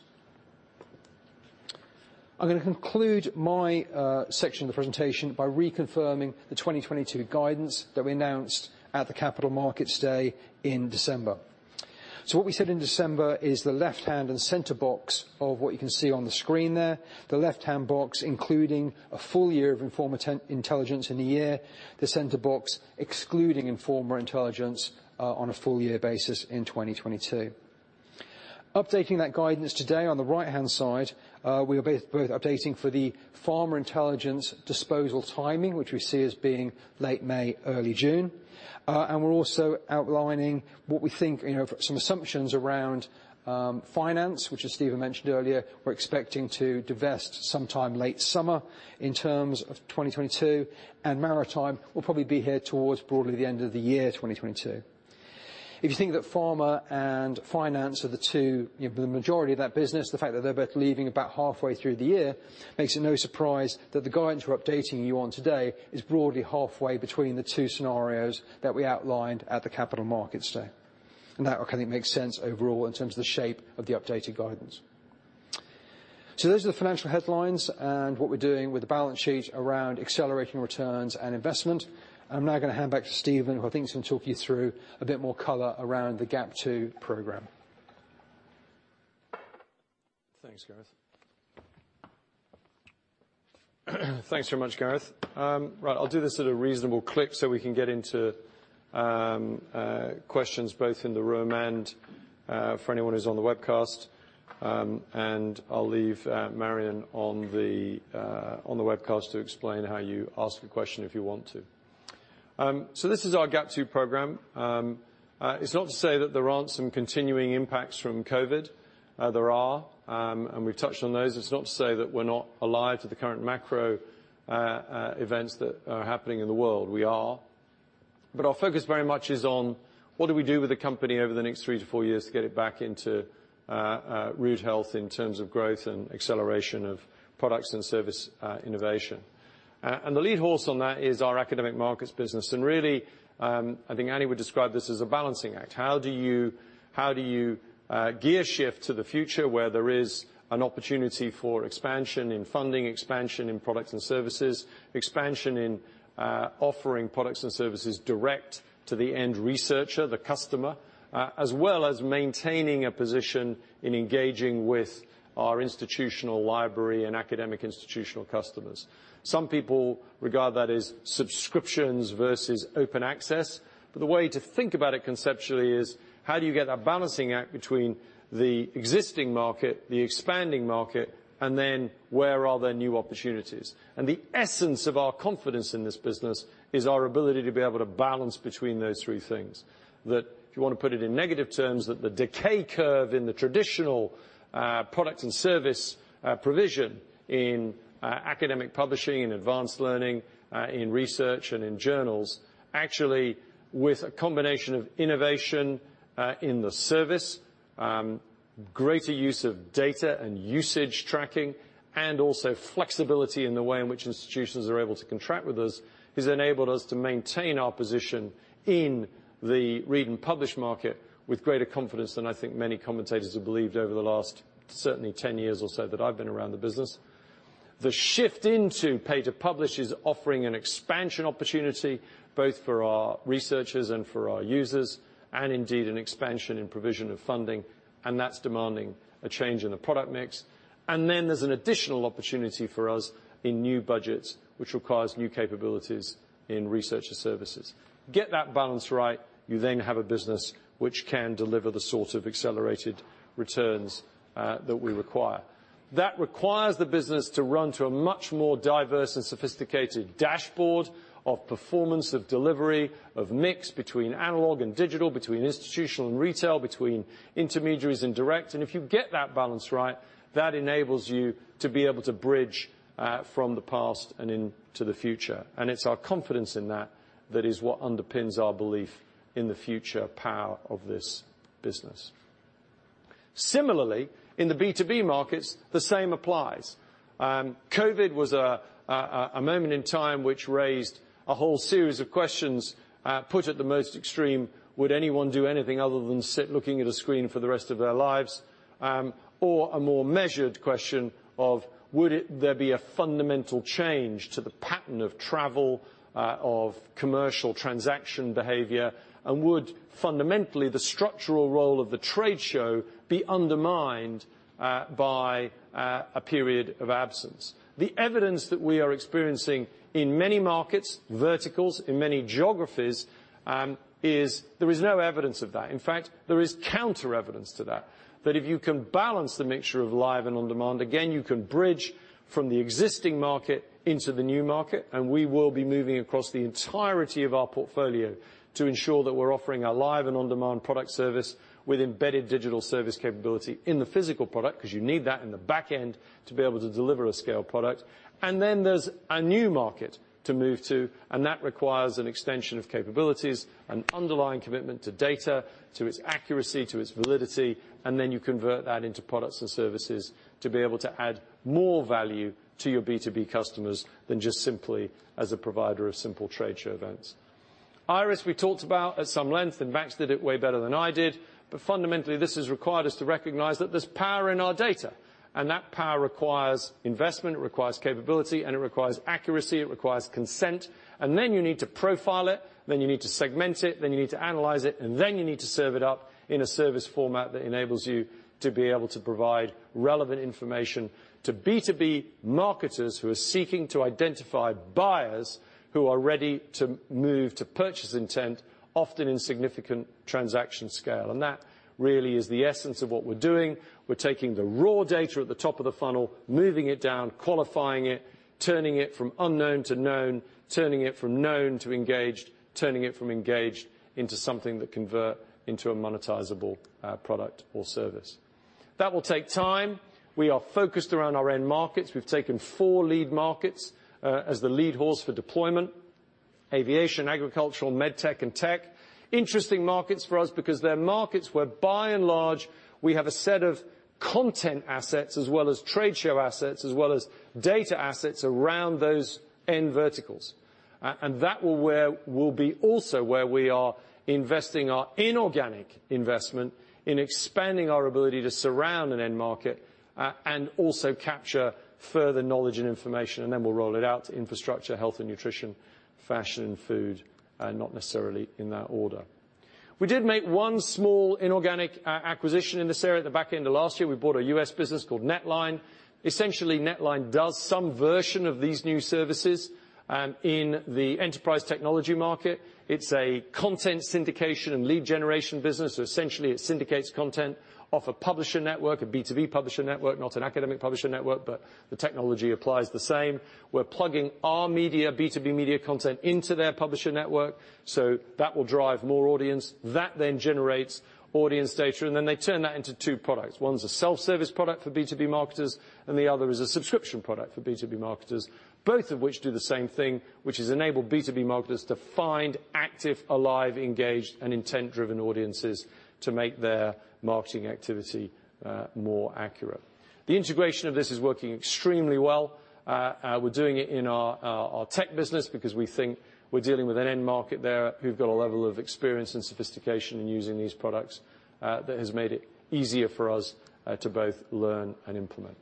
I'm gonna conclude my section of the presentation by reconfirming the 2022 guidance that we announced at the Capital Markets Day in December. What we said in December is the left-hand and center box of what you can see on the screen there. The left-hand box, including a full year of Informa Intelligence in the year, the center box, excluding Informa Intelligence on a full year basis in 2022. Updating that guidance today, on the right-hand side, we are both updating for the Informa Intelligence disposal timing, which we see as being late May, early June. We're also outlining what we think, you know, some assumptions around finance, which as Stephen mentioned earlier, we're expecting to divest sometime late summer in terms of 2022. Maritime will probably be here towards broadly the end of the year, 2022. If you think that Pharma and Finance are the two, you know, the majority of that business, the fact that they're both leaving about halfway through the year makes it no surprise that the guidance we're updating you on today is broadly halfway between the two scenarios that we outlined at the Capital Markets Day. That kinda makes sense overall in terms of the shape of the updated guidance. Those are the financial headlines and what we're doing with the balance sheet around accelerating returns and investment. I'm now gonna hand back to Stephen, who I think is gonna talk you through a bit more color around the GAP 2 program. Thanks, Gareth. Thanks very much, Gareth. Right, I'll do this at a reasonable clip so we can get into questions both in the room and for anyone who's on the webcast. I'll leave Marion on the webcast to explain how you ask a question if you want to. This is our GAP 2 program. It's not to say that there aren't some continuing impacts from COVID. There are, and we've touched on those. It's not to say that we're not alive to the current macro events that are happening in the world. We are. Our focus very much is on what we do with the company over the next 3-4 years to get it back into good health in terms of growth and acceleration of products and services innovation. The lead horse on that is our academic markets business. Really, I think Annie would describe this as a balancing act. How do you gear shift to the future where there is an opportunity for expansion in funding, expansion in products and services, expansion in offering products and services direct to the end researcher, the customer, as well as maintaining a position in engaging with our institutional library and academic institutional customers. Some people regard that as subscriptions versus open access. The way to think about it conceptually is, how do you get that balancing act between the existing market, the expanding market, and then where are there new opportunities? The essence of our confidence in this business is our ability to be able to balance between those three things. That if you want to put it in negative terms, that the decay curve in the traditional, product and service, provision in, academic publishing and advanced learning, in research and in journals, actually, with a combination of innovation, in the service, greater use of data and usage tracking, and also flexibility in the way in which institutions are able to contract with us, has enabled us to maintain our position in the read and publish market with greater confidence than I think many commentators have believed over the last certainly ten years or so that I've been around the business. The shift into pay-to-publish is offering an expansion opportunity both for our researchers and for our users, and indeed an expansion in provision of funding, and that's demanding a change in the product mix. There's an additional opportunity for us in new budgets, which requires new capabilities in researcher services. Get that balance right, you then have a business which can deliver the sort of accelerated returns that we require. That requires the business to run to a much more diverse and sophisticated dashboard of performance, of delivery, of mix between analog and digital, between institutional and retail, between intermediaries and direct. If you get that balance right, that enables you to be able to bridge from the past and into the future. It's our confidence in that that is what underpins our belief in the future power of this business. Similarly, in the B2B markets, the same applies. COVID was a moment in time which raised a whole series of questions. Put at the most extreme, would anyone do anything other than sit looking at a screen for the rest of their lives? Or a more measured question of would there be a fundamental change to the pattern of travel of commercial transaction behavior? Would fundamentally the structural role of the trade show be undermined by a period of absence? The evidence that we are experiencing in many markets, verticals, in many geographies, is that there is no evidence of that. In fact, there is counter-evidence to that. That if you can balance the mixture of live and on-demand, again, you can bridge from the existing market into the new market, and we will be moving across the entirety of our portfolio to ensure that we're offering a live and on-demand product service with embedded digital service capability in the physical product, 'cause you need that in the back end to be able to deliver a scale product. Then there's a new market to move to, and that requires an extension of capabilities and underlying commitment to data, to its accuracy, to its validity, and then you convert that into products and services to be able to add more value to your B2B customers than just simply as a provider of simple trade show events. IIRIS, we talked about at some length, and Max did it way better than I did. Fundamentally, this has required us to recognize that there's power in our data, and that power requires investment, it requires capability, and it requires accuracy, it requires consent, and then you need to profile it, then you need to segment it, then you need to analyze it, and then you need to serve it up in a service format that enables you to be able to provide relevant information to B2B marketers who are seeking to identify buyers who are ready to move to purchase intent, often in significant transaction scale. And that really is the essence of what we're doing. We're taking the raw data at the top of the funnel, moving it down, qualifying it, turning it from unknown to known, turning it from known to engaged, turning it from engaged into something that convert into a monetizable, product or service. That will take time. We are focused around our end markets. We've taken four lead markets as the lead horse for deployment. Aviation, agricultural, med tech, and tech. Interesting markets for us because they're markets where by and large, we have a set of content assets as well as trade show assets, as well as data assets around those end verticals. That will be also where we are investing our inorganic investment in expanding our ability to surround an end market and also capture further knowledge and information. We'll roll it out to infrastructure, health and nutrition, fashion, food, not necessarily in that order. We did make one small inorganic acquisition in this area. At the back end of last year, we bought a U.S. business called NetLine. Essentially, NetLine does some version of these new services in the enterprise technology market. It's a content syndication and lead generation business. Essentially it syndicates content off a publisher network, a B2B publisher network, not an academic publisher network, but the technology applies the same. We're plugging our media, B2B media content into their publisher network, so that will drive more audience. That then generates audience data, and then they turn that into two products. One's a self-service product for B2B marketers, and the other is a subscription product for B2B marketers, both of which do the same thing, which is enable B2B marketers to find active, alive, engaged, and intent-driven audiences to make their marketing activity more accurate. The integration of this is working extremely well. We're doing it in our tech business because we think we're dealing with an end market there who've got a level of experience and sophistication in using these products that has made it easier for us to both learn and implement.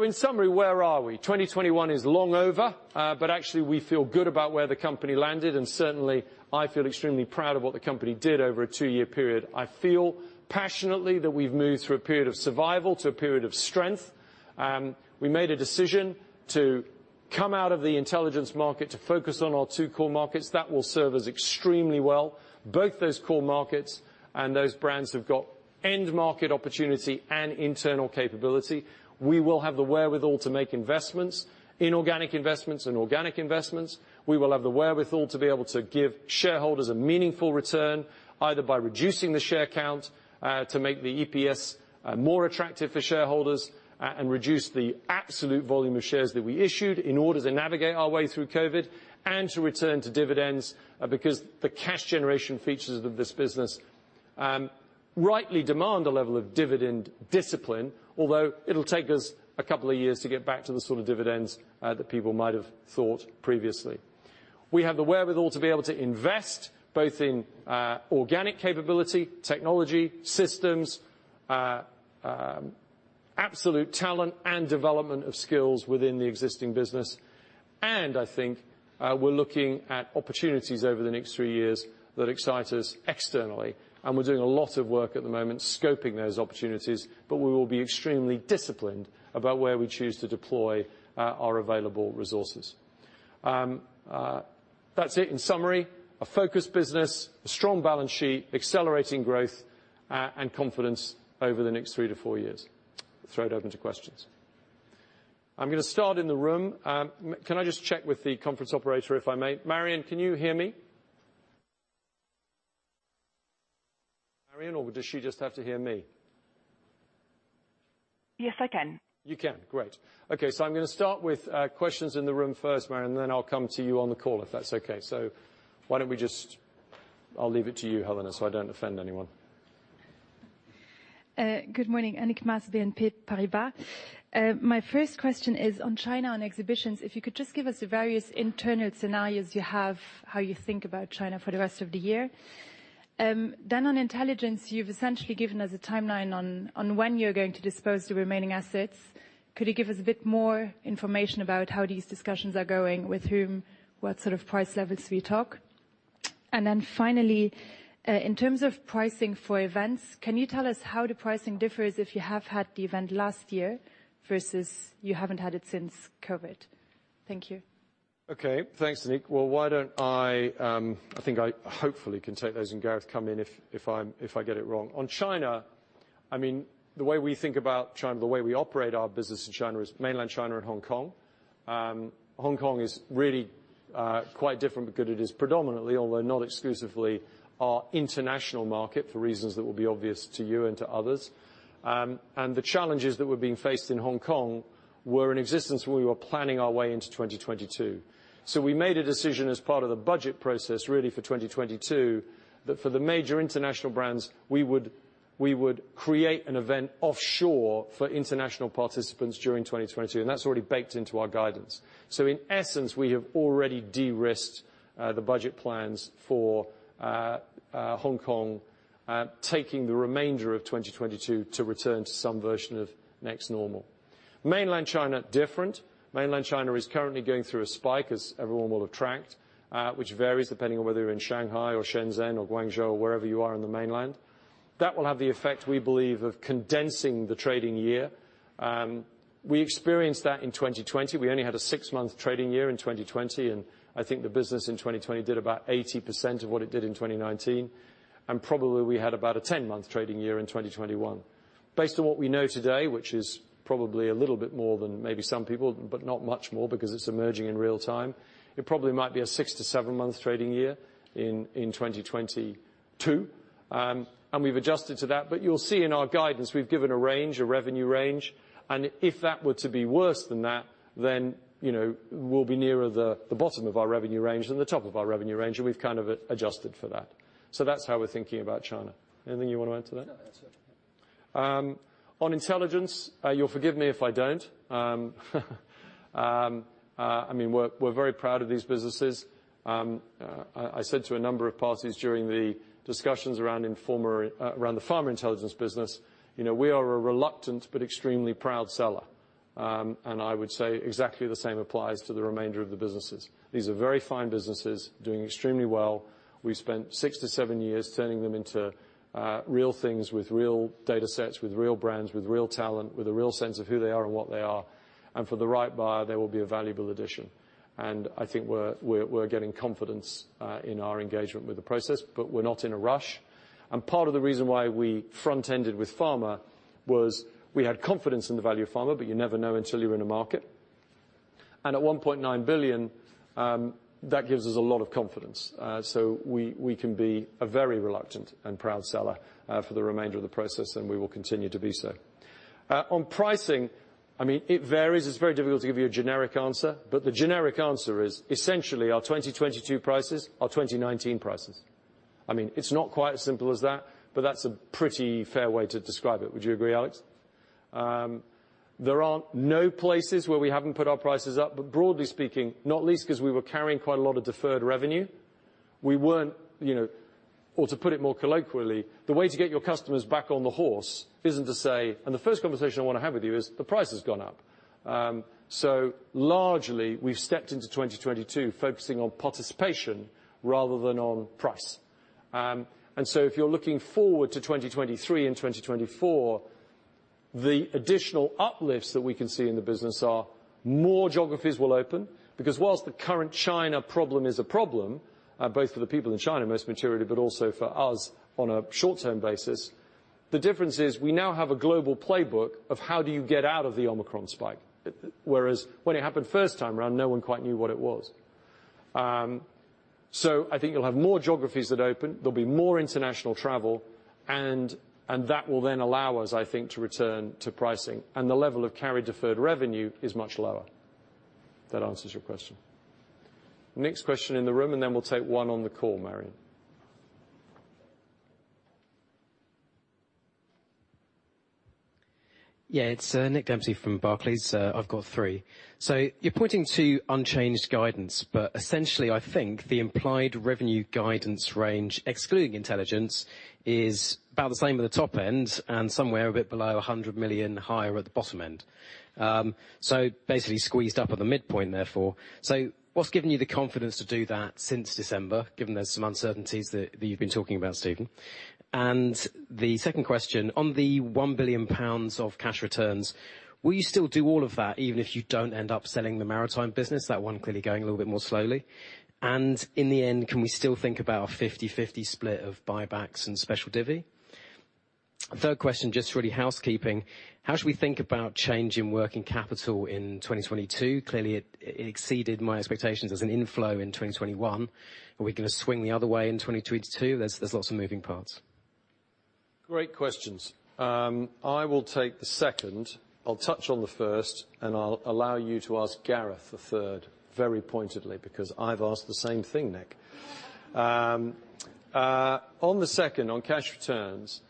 In summary, where are we? 2021 is long over, but actually we feel good about where the company landed, and certainly I feel extremely proud of what the company did over a two-year period. I feel passionately that we've moved through a period of survival to a period of strength. We made a decision to come out of the intelligence market to focus on our two core markets. That will serve us extremely well. Both those core markets and those brands have got end market opportunity and internal capability. We will have the wherewithal to make investments, inorganic investments and organic investments. We will have the wherewithal to be able to give shareholders a meaningful return, either by reducing the share count to make the EPS more attractive for shareholders, and reduce the absolute volume of shares that we issued in order to navigate our way through COVID and to return to dividends because the cash generation features of this business rightly demand a level of dividend discipline, although it'll take us a couple of years to get back to the sort of dividends that people might have thought previously. We have the wherewithal to be able to invest both in organic capability, technology, systems, absolute talent, and development of skills within the existing business. I think we're looking at opportunities over the next three years that excite us externally, and we're doing a lot of work at the moment scoping those opportunities, but we will be extremely disciplined about where we choose to deploy our available resources. That's it in summary. A focused business, a strong balance sheet, accelerating growth, and confidence over the next three to four years. Throw it open to questions. I'm gonna start in the room. Can I just check with the conference operator, if I may? Marion, can you hear me? Marion, or does she just have to hear me? Yes, I can. You can? Great. Okay, I'm gonna start with questions in the room first, Marion, and then I'll come to you on the call, if that's okay. I'll leave it to you, Helena, so I don't offend anyone. Good morning, Annick Maas, BNP Paribas. My first question is on China and exhibitions, if you could just give us the various internal scenarios you have, how you think about China for the rest of the year. On intelligence, you've essentially given us a timeline on when you're going to dispose the remaining assets. Could you give us a bit more information about how these discussions are going, with whom, what sort of price levels we talk? And finally, in terms of pricing for events, can you tell us how the pricing differs if you have had the event last year versus you haven't had it since COVID? Thank you. Okay. Thanks, Annick. Well, why don't I think I hopefully can take those, and Gareth come in if I get it wrong. On China, I mean, the way we think about China, the way we operate our business in China is Mainland China and Hong Kong. Hong Kong is really quite different because it is predominantly, although not exclusively, our international market for reasons that will be obvious to you and to others. And the challenges that we're being faced in Hong Kong were in existence when we were planning our way into 2022. We made a decision as part of the budget process really for 2022, that for the major international brands, we would create an event offshore for international participants during 2022, and that's already baked into our guidance. In essence, we have already de-risked the budget plans for Hong Kong, taking the remainder of 2022 to return to some version of new normal. Mainland China, different. Mainland China is currently going through a spike, as everyone will have tracked, which varies depending on whether you're in Shanghai or Shenzhen or Guangzhou or wherever you are in the mainland. That will have the effect, we believe, of condensing the trading year. We experienced that in 2020. We only had a 6-month trading year in 2020, and I think the business in 2020 did about 80% of what it did in 2019. Probably we had about a 10-month trading year in 2021. Based on what we know today, which is probably a little bit more than maybe some people, but not much more because it's emerging in real time, it probably might be a 6-7 month trading year in 2022. We've adjusted to that. You'll see in our guidance, we've given a range, a revenue range, and if that were to be worse than that, then, you know, we'll be nearer the bottom of our revenue range than the top of our revenue range, and we've kind of adjusted for that. That's how we're thinking about China. Anything you wanna add to that? No, that's it. On intelligence, you'll forgive me if I don't. I mean, we're very proud of these businesses. I said to a number of parties during the discussions around the Pharma Intelligence business, you know, we are a reluctant but extremely proud seller. I would say exactly the same applies to the remainder of the businesses. These are very fine businesses doing extremely well. We spent 6-7 years turning them into real things with real datasets, with real brands, with real talent, with a real sense of who they are and what they are. For the right buyer, they will be a valuable addition. I think we're getting confidence in our engagement with the process, but we're not in a rush. Part of the reason why we front-ended with Pharma was we had confidence in the value of Pharma, but you never know until you're in a market. At 1.9 billion, that gives us a lot of confidence. We can be a very reluctant and proud seller for the remainder of the process, and we will continue to be so. On pricing, I mean, it varies. It's very difficult to give you a generic answer, but the generic answer is essentially our 2022 prices are 2019 prices. I mean, it's not quite as simple as that, but that's a pretty fair way to describe it. Would you agree, Alex? There aren't no places where we haven't put our prices up, but broadly speaking, not least 'cause we were carrying quite a lot of deferred revenue, we weren't, you know. Or to put it more colloquially, the way to get your customers back on the horse isn't to say, "And the first conversation I wanna have with you is the price has gone up." So largely, we've stepped into 2022 focusing on participation rather than on price. If you're looking forward to 2023 and 2024, the additional uplifts that we can see in the business are more geographies will open. Because whilst the current China problem is a problem, both for the people in China, most materially, but also for us on a short-term basis, the difference is we now have a global playbook of how do you get out of the Omicron spike. Whereas when it happened first time around, no one quite knew what it was. So I think you'll have more geographies that open, there'll be more international travel, and that will then allow us, I think, to return to pricing, and the level of carry deferred revenue is much lower. If that answers your question. Next question in the room, and then we'll take one on the call, Marion. Yeah. It's Nick Dempsey from Barclays. I've got three. You're pointing to unchanged guidance, but essentially I think the implied revenue guidance range, excluding intelligence, is about the same at the top end and somewhere a bit below 100 higher at the bottom end. Basically squeezed up at the midpoint, therefore. What's given you the confidence to do that since December, given there's some uncertainties that you've been talking about, Stephen? The second question, on the 1 billion pounds of cash returns, will you still do all of that even if you don't end up selling the maritime business? That one clearly going a little bit more slowly. In the end, can we still think about a 50-50 split of buybacks and special divvy? Third question, just really housekeeping. How should we think about change in working capital in 2022? Clearly it exceeded my expectations as an inflow in 2021. Are we gonna swing the other way in 2022? There's lots of moving parts. Great questions. I will take the second, I'll touch on the first, and I'll allow you to ask Gareth the third very pointedly, because I've asked the same thing, Nick. On the second, on cash returns,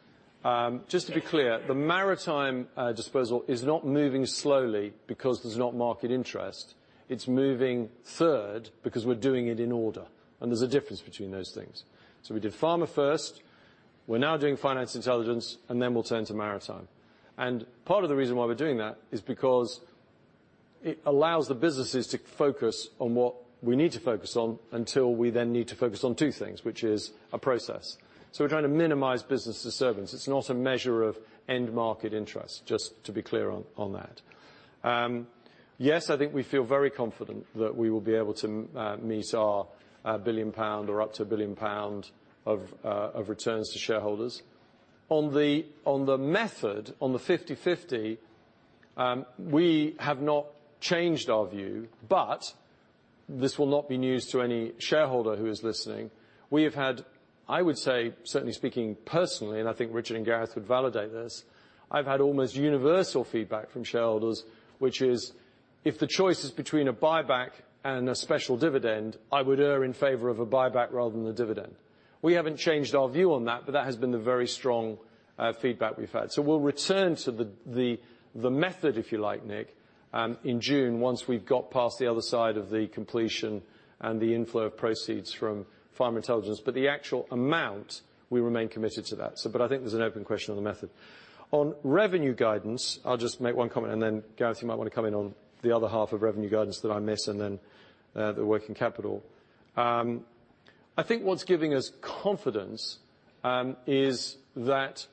just to be clear, the Maritime disposal is not moving slowly because there's not market interest. It's moving third because we're doing it in order, and there's a difference between those things. We did Pharma first, we're now doing Financial Intelligence, and then we'll turn to Maritime. Part of the reason why we're doing that is because it allows the businesses to focus on what we need to focus on until we then need to focus on two things, which is a process. We're trying to minimize business disturbance. It's not a measure of end market interest, just to be clear on that. Yes, I think we feel very confident that we will be able to meet our 1 billion pound or up to 1 billion pound of returns to shareholders. On the 50/50, we have not changed our view. This will not be news to any shareholder who is listening. We have had, I would say, certainly speaking personally, and I think Richard and Gareth would validate this, I've had almost universal feedback from shareholders, which is if the choice is between a buyback and a special dividend, I would err in favor of a buyback rather than the dividend. We haven't changed our view on that. That has been the very strong feedback we've had. We'll return to the method, if you like, Nick, in June once we've got past the other side of the completion and the inflow of proceeds from Pharma Intelligence, but the actual amount we remain committed to that. I think there's an open question on the method. On revenue guidance, I'll just make one comment, and then Gareth, you might wanna come in on the other half of revenue guidance that I miss and then the working capital. I think what's giving us confidence is that.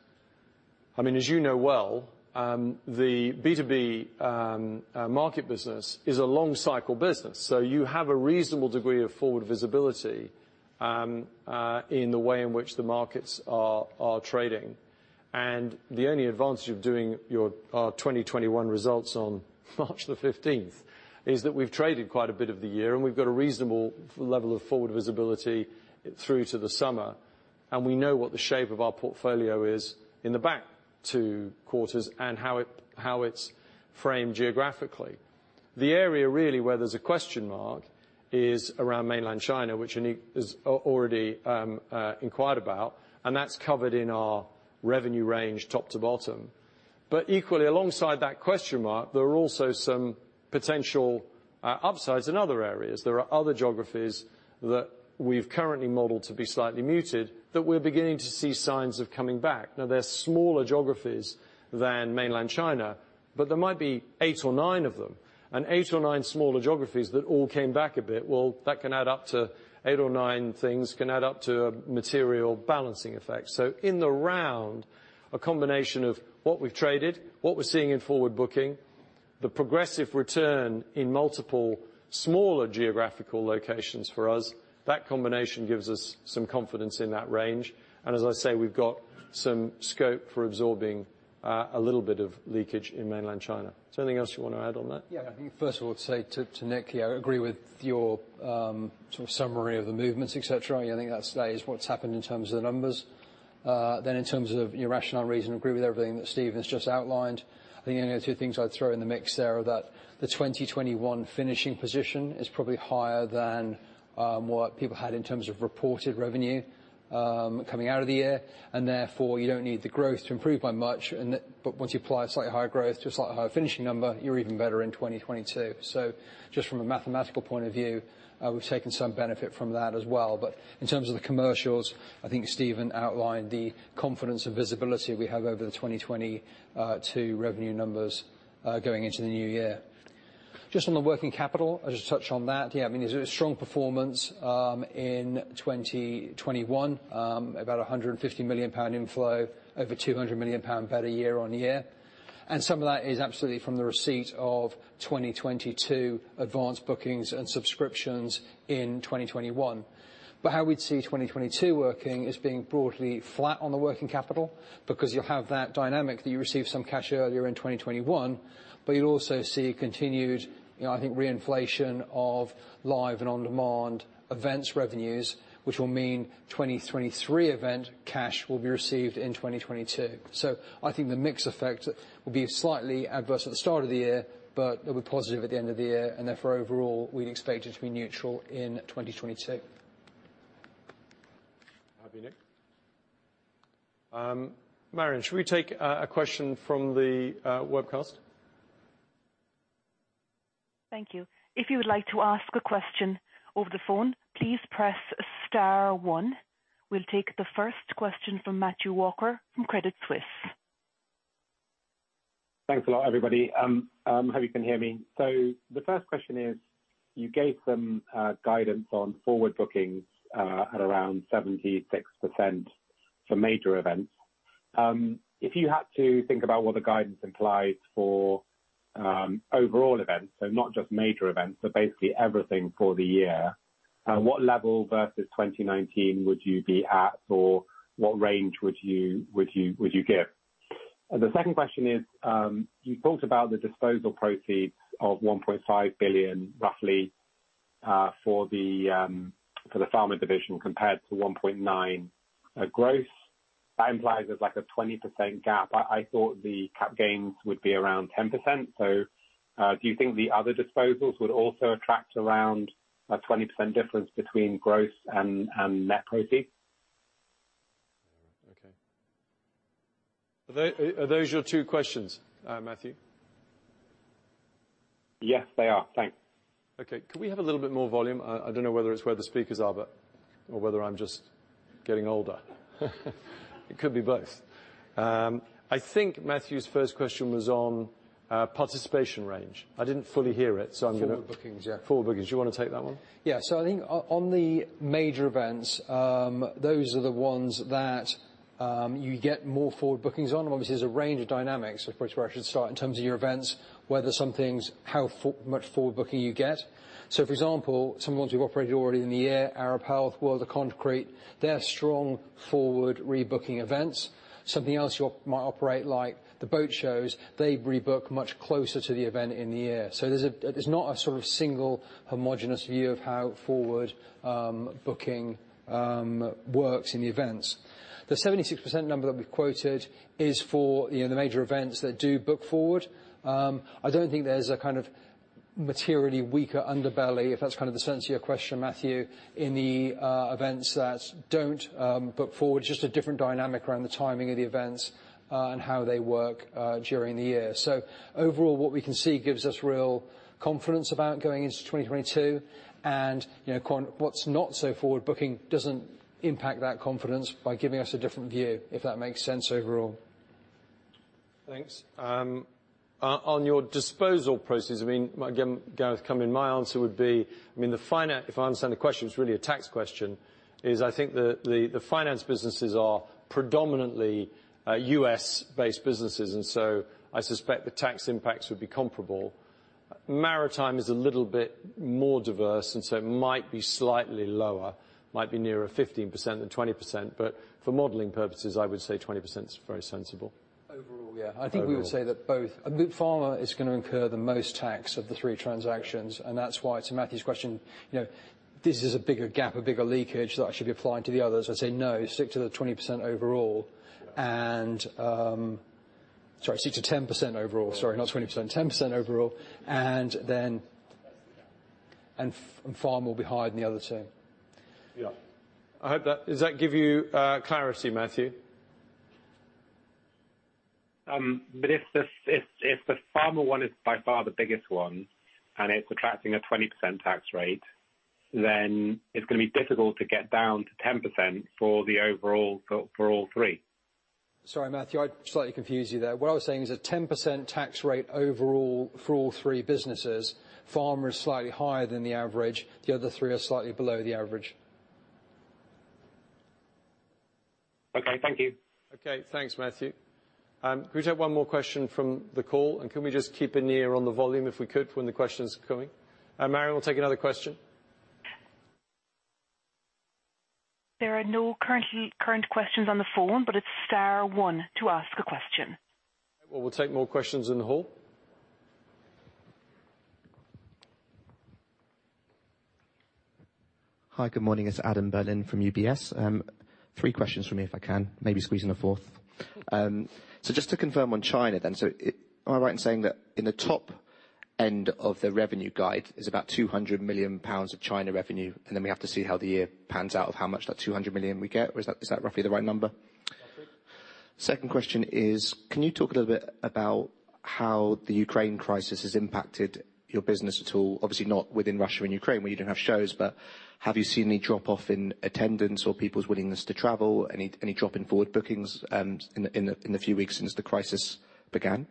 I mean, as you know well, the B2B Markets business is a long cycle business. You have a reasonable degree of forward visibility in the way in which the markets are trading. The only advantage of doing our 2021 results on March 15 is that we've traded quite a bit of the year, and we've got a reasonable feel-level of forward visibility through to the summer, and we know what the shape of our portfolio is in the back two quarters and how it's framed geographically. The area really where there's a question mark is around Mainland China, which Nick has already inquired about, and that's covered in our revenue range, top to bottom. Equally, alongside that question mark, there are also some potential upsides in other areas. There are other geographies that we've currently modeled to be slightly muted that we're beginning to see signs of coming back. They're smaller geographies than Mainland China, but there might be 8 or 9 of them. 8 or 9 smaller geographies that all came back a bit, well, that can add up to a material balancing effect. In the round, a combination of what we've traded, what we're seeing in forward booking, the progressive return in multiple smaller geographical locations for us, that combination gives us some confidence in that range. As I say, we've got some scope for absorbing a little bit of leakage in Mainland China. Is there anything else you wanna add on that? Yeah. I think first of all to say to Nick, yeah, I agree with your sort of summary of the movements, et cetera. I think that is what's happened in terms of the numbers. In terms of, you know, rationale and reasoning, I agree with everything that Stephen has just outlined. I think, you know, two things I'd throw in the mix there are that the 2021 finishing position is probably higher than what people had in terms of reported revenue coming out of the year. Therefore, you don't need the growth to improve by much, but once you apply a slightly higher growth to a slightly higher finishing number, you're even better in 2022. Just from a mathematical point of view, we've taken some benefit from that as well. In terms of the commercials, I think Stephen outlined the confidence and visibility we have over the 2022 revenue numbers going into the new year. Just on the working capital, I'll just touch on that. Yeah, I mean, it's a strong performance in 2021, about a 150 million pound inflow, over 200 million pound better year-on-year, and some of that is absolutely from the receipt of 2022 advanced bookings and subscriptions in 2021. How we'd see 2022 working is being broadly flat on the working capital because you'll have that dynamic that you received some cash earlier in 2021, but you'll also see continued, you know, I think reinflation of live and on-demand events revenues, which will mean 2023 event cash will be received in 2022. I think the mix effect will be slightly adverse at the start of the year, but it'll be positive at the end of the year and therefore overall, we'd expect it to be neutral in 2022. Happy, Nick? Marion, should we take a question from the webcast? Thank you. If you would like to ask a question over the phone, please press star one. We'll take the first question from Matthew Walker from Credit Suisse. Thanks a lot, everybody. Hope you can hear me. The first question is, you gave some guidance on forward bookings at around 76% for major events. If you had to think about what the guidance implies for overall events, so not just major events, but basically everything for the year, what level versus 2019 would you be at, or what range would you give? The second question is, you talked about the disposal proceeds of 1.5 billion, roughly, for the pharma division compared to 1.9 billion gross. That implies there's like a 20% gap. I thought the capital gains would be around 10%. Do you think the other disposals would also attract around a 20% difference between gross and net proceeds? Okay. Are those your two questions, Matthew? Yes, they are. Thanks. Okay. Could we have a little bit more volume? I don't know whether it's where the speakers are or whether I'm just getting older. It could be both. I think Matthew's first question was on participation range. I didn't fully hear it, so I'm gonna- Forward bookings, yeah. Forward bookings. Do you wanna take that one? I think on the major events, those are the ones that you get more forward bookings on. Obviously, there's a range of dynamics where I should start in terms of your events, whether something's how much forward booking you get. For example, some ones we've operated already in the year, Arab Health, World of Concrete, they're strong forward rebooking events. Something else you might operate like the boat shows, they rebook much closer to the event in the year. There's not a sort of single homogeneous view of how forward booking works in the events. The 76% number that we quoted is for, you know, the major events that do book forward. I don't think there's a kind of materially weaker underbelly, if that's kind of the sense of your question, Matthew, in the events that don't book forward. Just a different dynamic around the timing of the events and how they work during the year. Overall, what we can see gives us real confidence about going into 2022. You know, what's not so forward booking doesn't impact that confidence by giving us a different view, if that makes sense overall. Thanks. On your disposal proceeds, I mean, might get Gareth come in. My answer would be, I mean, the finance—if I understand the question, it's really a tax question. I think the finance businesses are predominantly U.S.-based businesses, and so I suspect the tax impacts would be comparable. Maritime is a little bit more diverse, and so it might be slightly lower, might be nearer 15% than 20%. For modeling purposes, I would say 20% is very sensible. Overall, yeah. Overall. I think we would say that both. Pharma is gonna incur the most tax of the three transactions, and that's why to Matthew's question, you know, this is a bigger gap, a bigger leakage that I should be applying to the others. I'd say no, stick to the 20% overall. Yeah. Sorry, stick to 10% overall. Sorry, not 20%, 10% overall. Then Pharma will be higher than the other two. Yeah. Does that give you clarity, Matthew? If the pharma one is by far the biggest one, and it's attracting a 20% tax rate, then it's gonna be difficult to get down to 10% for the overall for all three. Sorry, Matthew, I slightly confused you there. What I was saying is a 10% tax rate overall for all three businesses, pharma is slightly higher than the average. The other three are slightly below the average. Okay, thank you. Okay, thanks, Matthew. Could we take one more question from the call? Can we just keep an ear on the volume if we could when the question's coming? Marion, we'll take another question. There are no current questions on the phone, but it's star one to ask a question. Well, we'll take more questions in the hall. Hi, good morning. It's Adam Berlin from UBS. Three questions from me, if I can. Maybe squeeze in a fourth. Just to confirm on China then. Am I right in saying that in the top end of the revenue guide is about 200 million pounds of China revenue, and then we have to see how the year pans out of how much that 200 million we get? Or is that roughly the right number? Second question is, can you talk a little bit about how the Ukraine crisis has impacted your business at all? Obviously not within Russia and Ukraine, where you don't have shows, but have you seen any drop-off in attendance or people's willingness to travel? Any drop in forward bookings in the few weeks since the crisis began?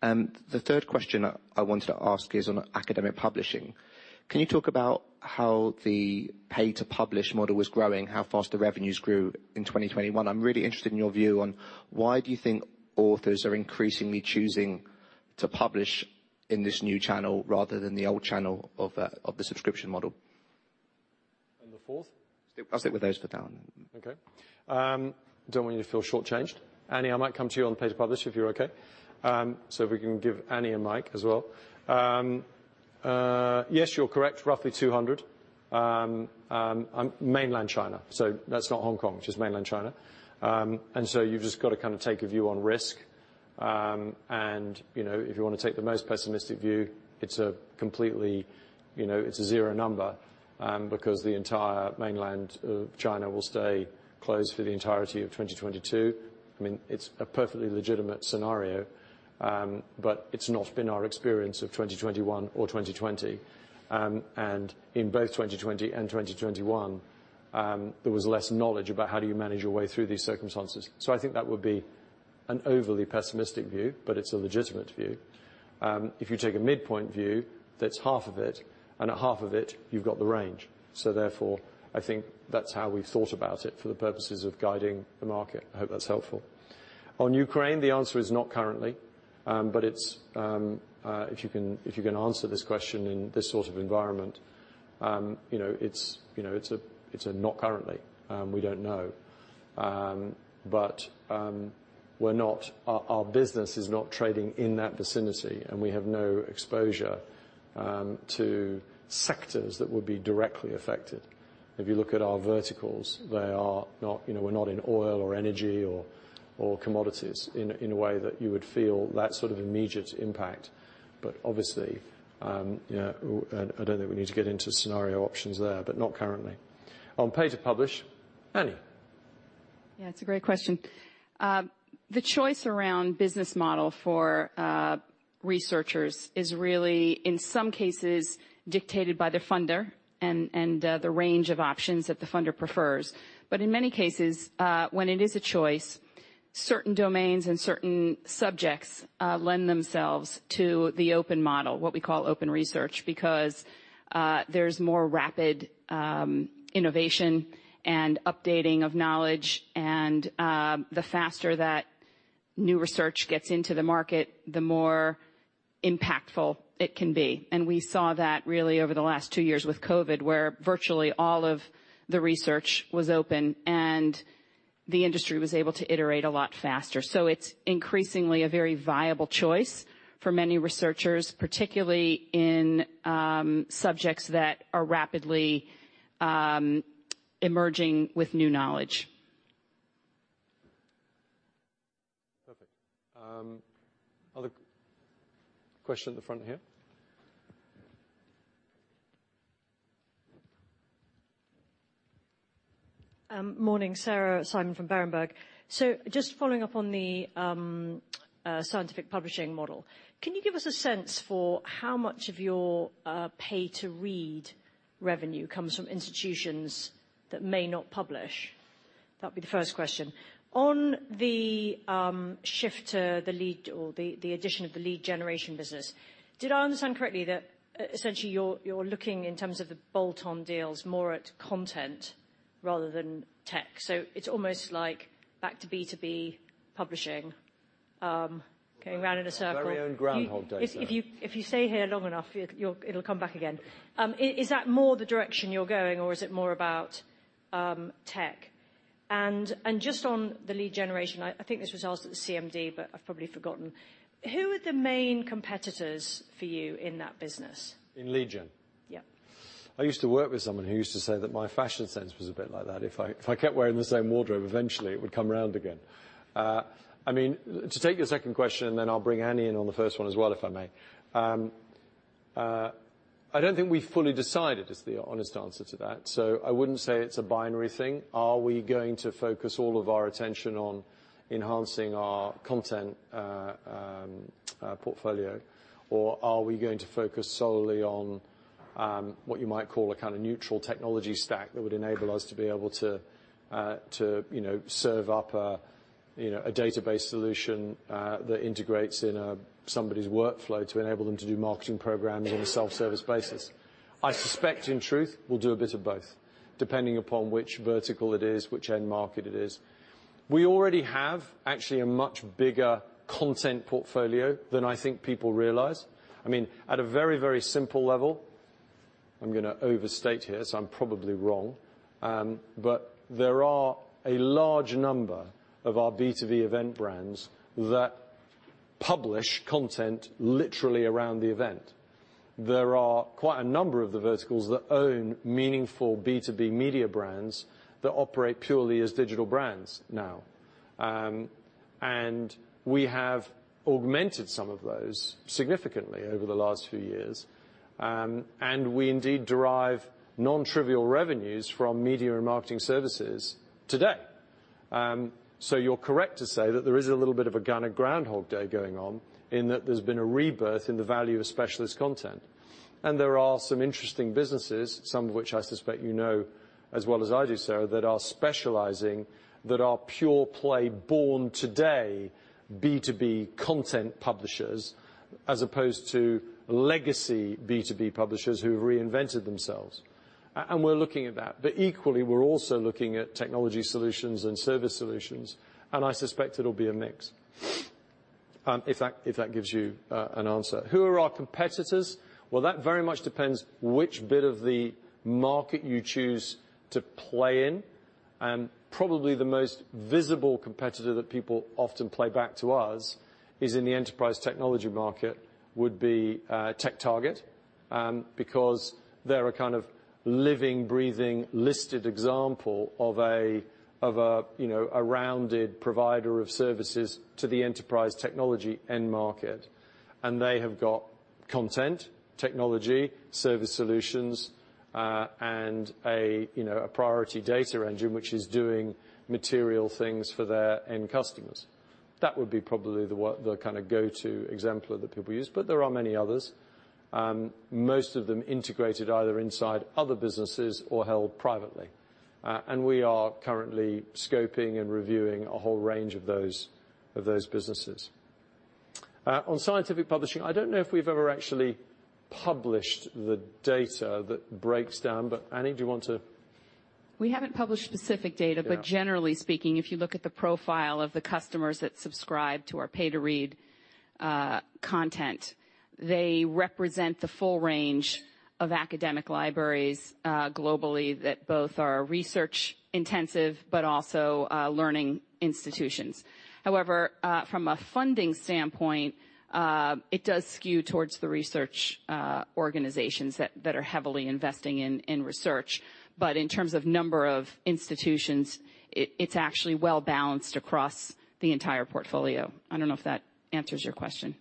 The third question I wanted to ask is on academic publishing. Can you talk about how the pay-to-publish model was growing, how fast the revenues grew in 2021? I'm really interested in your view on why do you think authors are increasingly choosing to publish in this new channel rather than the old channel of the subscription model. The fourth? I'll stick with those for now. Okay. Don't want you to feel short-changed. Annie, I might come to you on pay-to-publish if you're okay. If we can give Annie a mic as well. Yes, you're correct, roughly 200 on mainland China. That's not Hong Kong, just mainland China. You've just got to kind of take a view on risk. You know, if you wanna take the most pessimistic view, it's completely, you know, a zero number, because the entire mainland of China will stay closed for the entirety of 2022. I mean, it's a perfectly legitimate scenario, but it's not been our experience of 2021 or 2020. In both 2020 and 2021, there was less knowledge about how do you manage your way through these circumstances. I think that would be an overly pessimistic view, but it's a legitimate view. If you take a midpoint view, that's half of it, and at half of it, you've got the range. Therefore, I think that's how we've thought about it for the purposes of guiding the market. I hope that's helpful. On Ukraine, the answer is not currently. It's if you can answer this question in this sort of environment, you know, it's a not currently. We don't know. Our business is not trading in that vicinity, and we have no exposure to sectors that would be directly affected. If you look at our verticals, they are not, you know, we're not in oil or energy or commodities in a way that you would feel that sort of immediate impact. Obviously, you know, I don't think we need to get into scenario options there, but not currently. On pay to publish, Annie. Yeah, it's a great question. The choice around business model for researchers is really, in some cases, dictated by the funder and the range of options that the funder prefers. In many cases, when it is a choice, certain domains and certain subjects lend themselves to the open model, what we call open research, because there's more rapid innovation and updating of knowledge. The faster that new research gets into the market, the more impactful it can be. We saw that really over the last two years with COVID, where virtually all of the research was open, and the industry was able to iterate a lot faster. It's increasingly a very viable choice for many researchers, particularly in subjects that are rapidly emerging with new knowledge. Perfect. Other question at the front here. Morning. Sarah Simon from Berenberg. Just following up on the scientific publishing model, can you give us a sense for how much of your pay to read revenue comes from institutions that may not publish? That'd be the first question. On the shift to the addition of the lead generation business, did I understand correctly that essentially you're looking in terms of the bolt-on deals more at content rather than tech? It's almost like back to B2B publishing, going round in a circle. Very own Groundhog Day, Sarah. If you stay here long enough, you'll, it'll come back again. Is that more the direction you're going, or is it more about tech? Just on the lead generation, I think this was asked at the CMD, but I've probably forgotten. Who are the main competitors for you in that business? In lead gen? Yeah. I used to work with someone who used to say that my fashion sense was a bit like that. If I kept wearing the same wardrobe, eventually it would come round again. I mean, to take your second question, then I'll bring Annie in on the first one as well, if I may. I don't think we've fully decided is the honest answer to that. I wouldn't say it's a binary thing. Are we going to focus all of our attention on enhancing our content portfolio? Are we going to focus solely on what you might call a kind of neutral technology stack that would enable us to be able to you know serve up a you know a database solution that integrates in somebody's workflow to enable them to do marketing programs on a self-service basis? I suspect, in truth, we'll do a bit of both, depending upon which vertical it is, which end market it is. We already have actually a much bigger content portfolio than I think people realize. I mean, at a very, very simple level, I'm gonna overstate here, so I'm probably wrong. There are a large number of our B2B event brands that publish content literally around the event. There are quite a number of the verticals that own meaningful B2B media brands that operate purely as digital brands now. We have augmented some of those significantly over the last few years. We indeed derive non-trivial revenues from media and marketing services today. You're correct to say that there is a little bit of a kind of Groundhog Day going on in that there's been a rebirth in the value of specialist content. There are some interesting businesses, some of which I suspect you know as well as I do, Sarah, that are pure play born today B2B content publishers, as opposed to legacy B2B publishers who've reinvented themselves. We're looking at that. Equally, we're also looking at technology solutions and service solutions, and I suspect it'll be a mix. If that gives you an answer. Who are our competitors? Well, that very much depends which bit of the market you choose to play in. Probably the most visible competitor that people often play back to us is in the enterprise technology market would be TechTarget, because they're a kind of living, breathing, listed example of a you know a rounded provider of services to the enterprise technology end market. They have got content, technology, service solutions, and a you know a priority data engine which is doing material things for their end customers. That would be probably the kinda go-to exemplar that people use, but there are many others, most of them integrated either inside other businesses or held privately. We are currently scoping and reviewing a whole range of those businesses. On scientific publishing, I don't know if we've ever actually published the data that breaks down, but Annie, do you want to? We haven't published specific data. Yeah. Generally speaking, if you look at the profile of the customers that subscribe to our pay-to-read content, they represent the full range of academic libraries globally that both are research intensive but also learning institutions. However, from a funding standpoint, it does skew towards the research organizations that are heavily investing in research. In terms of number of institutions, it's actually well-balanced across the entire portfolio. I don't know if that answers your question.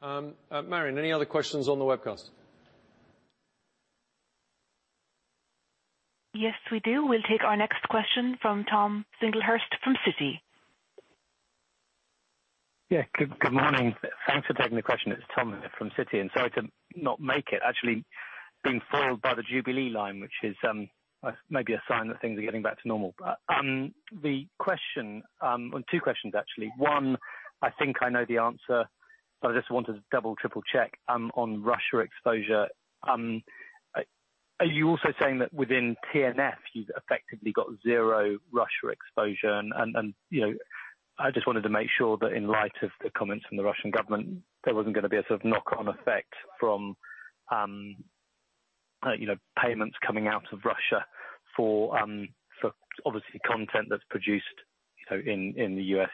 Marion, any other questions on the webcast? Yes, we do. We'll take our next question from Thomas Singlehurst from Citi. Yeah. Good morning. Thanks for taking the question. It's Tom Singlehurst from Citi, and sorry to not make it. Actually being foiled by the Jubilee line, which is maybe a sign that things are getting back to normal. The question or two questions actually. One, I think I know the answer, but I just wanted to double, triple-check on Russia exposure. Are you also saying that within T&F you've effectively got zero Russia exposure? And you know, I just wanted to make sure that in light of the comments from the Russian government, there wasn't gonna be a sort of knock-on effect from you know, payments coming out of Russia for obviously content that's produced you know, in the U.S.,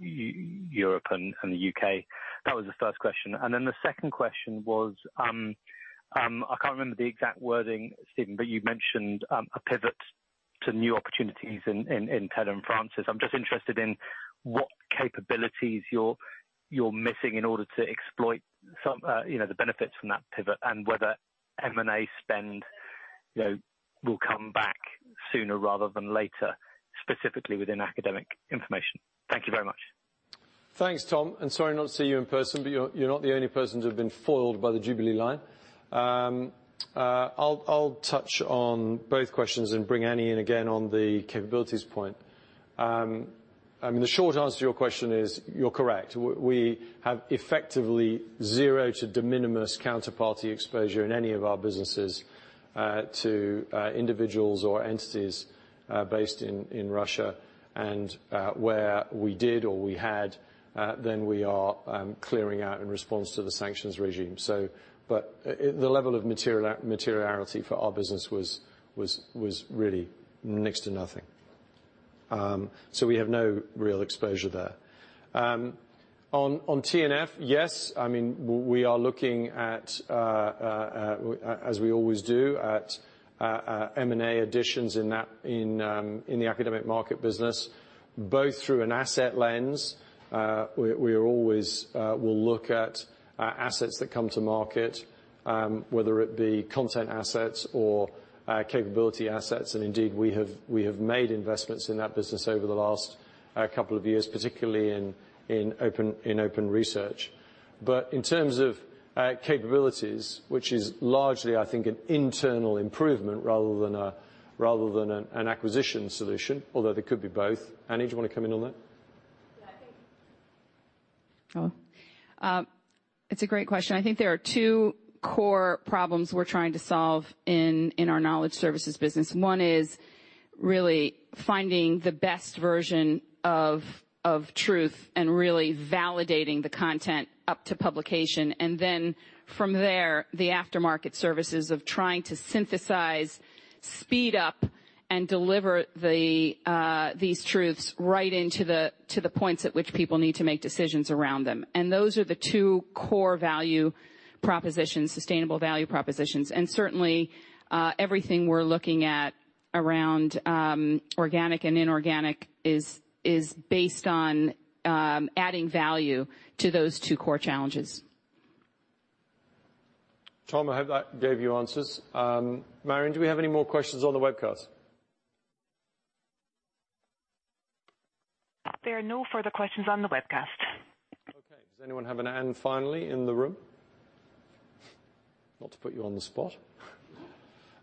Europe and the U.K. That was the first question. The second question was, I can't remember the exact wording, Stephen, but you mentioned a pivot to new opportunities in Taylor and Francis. I'm just interested in what capabilities you're missing in order to exploit some, you know, the benefits from that pivot, and whether M&A spend, you know, will come back sooner rather than later, specifically within academic information. Thank you very much. Thanks, Tom, and sorry not to see you in person, but you're not the only person to have been foiled by the Jubilee line. I'll touch on both questions and bring Annie in again on the capabilities point. I mean, the short answer to your question is you're correct. We have effectively zero to de minimis counterparty exposure in any of our businesses to individuals or entities based in Russia. Where we did or we had, then we are clearing out in response to the sanctions regime. The level of materiality for our business was really next to nothing. We have no real exposure there. On T&F, yes. I mean, we are looking at, as we always do at, M&A additions in that, in the academic market business, both through an asset lens, we are always will look at assets that come to market, whether it be content assets or capability assets. Indeed, we have made investments in that business over the last couple of years, particularly in open research. In terms of capabilities, which is largely, I think, an internal improvement rather than an acquisition solution, although they could be both. Annie, do you wanna come in on that? It's a great question. I think there are two core problems we're trying to solve in our knowledge services business. One is really finding the best version of truth and really validating the content up to publication. Then from there, the aftermarket services of trying to synthesize, speed up and deliver these truths right into the points at which people need to make decisions around them. Those are the two core value propositions, sustainable value propositions. Certainly, everything we're looking at around organic and inorganic is based on adding value to those two core challenges. Tom, I hope that gave you answers. Marion, do we have any more questions on the webcast? There are no further questions on the webcast. Okay. Does anyone have a hand finally in the room? Not to put you on the spot.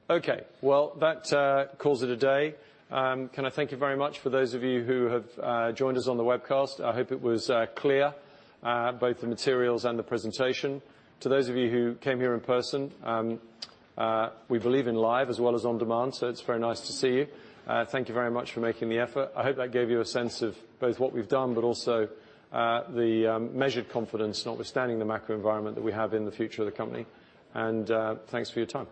Okay. Well, that calls it a day. Can I thank you very much for those of you who have joined us on the webcast. I hope it was clear, both the materials and the presentation. To those of you who came here in person, we believe in live as well as on demand, so it's very nice to see you. Thank you very much for making the effort. I hope that gave you a sense of both what we've done, but also the measured confidence, notwithstanding the macro environment that we have in the future of the company. Thanks for your time.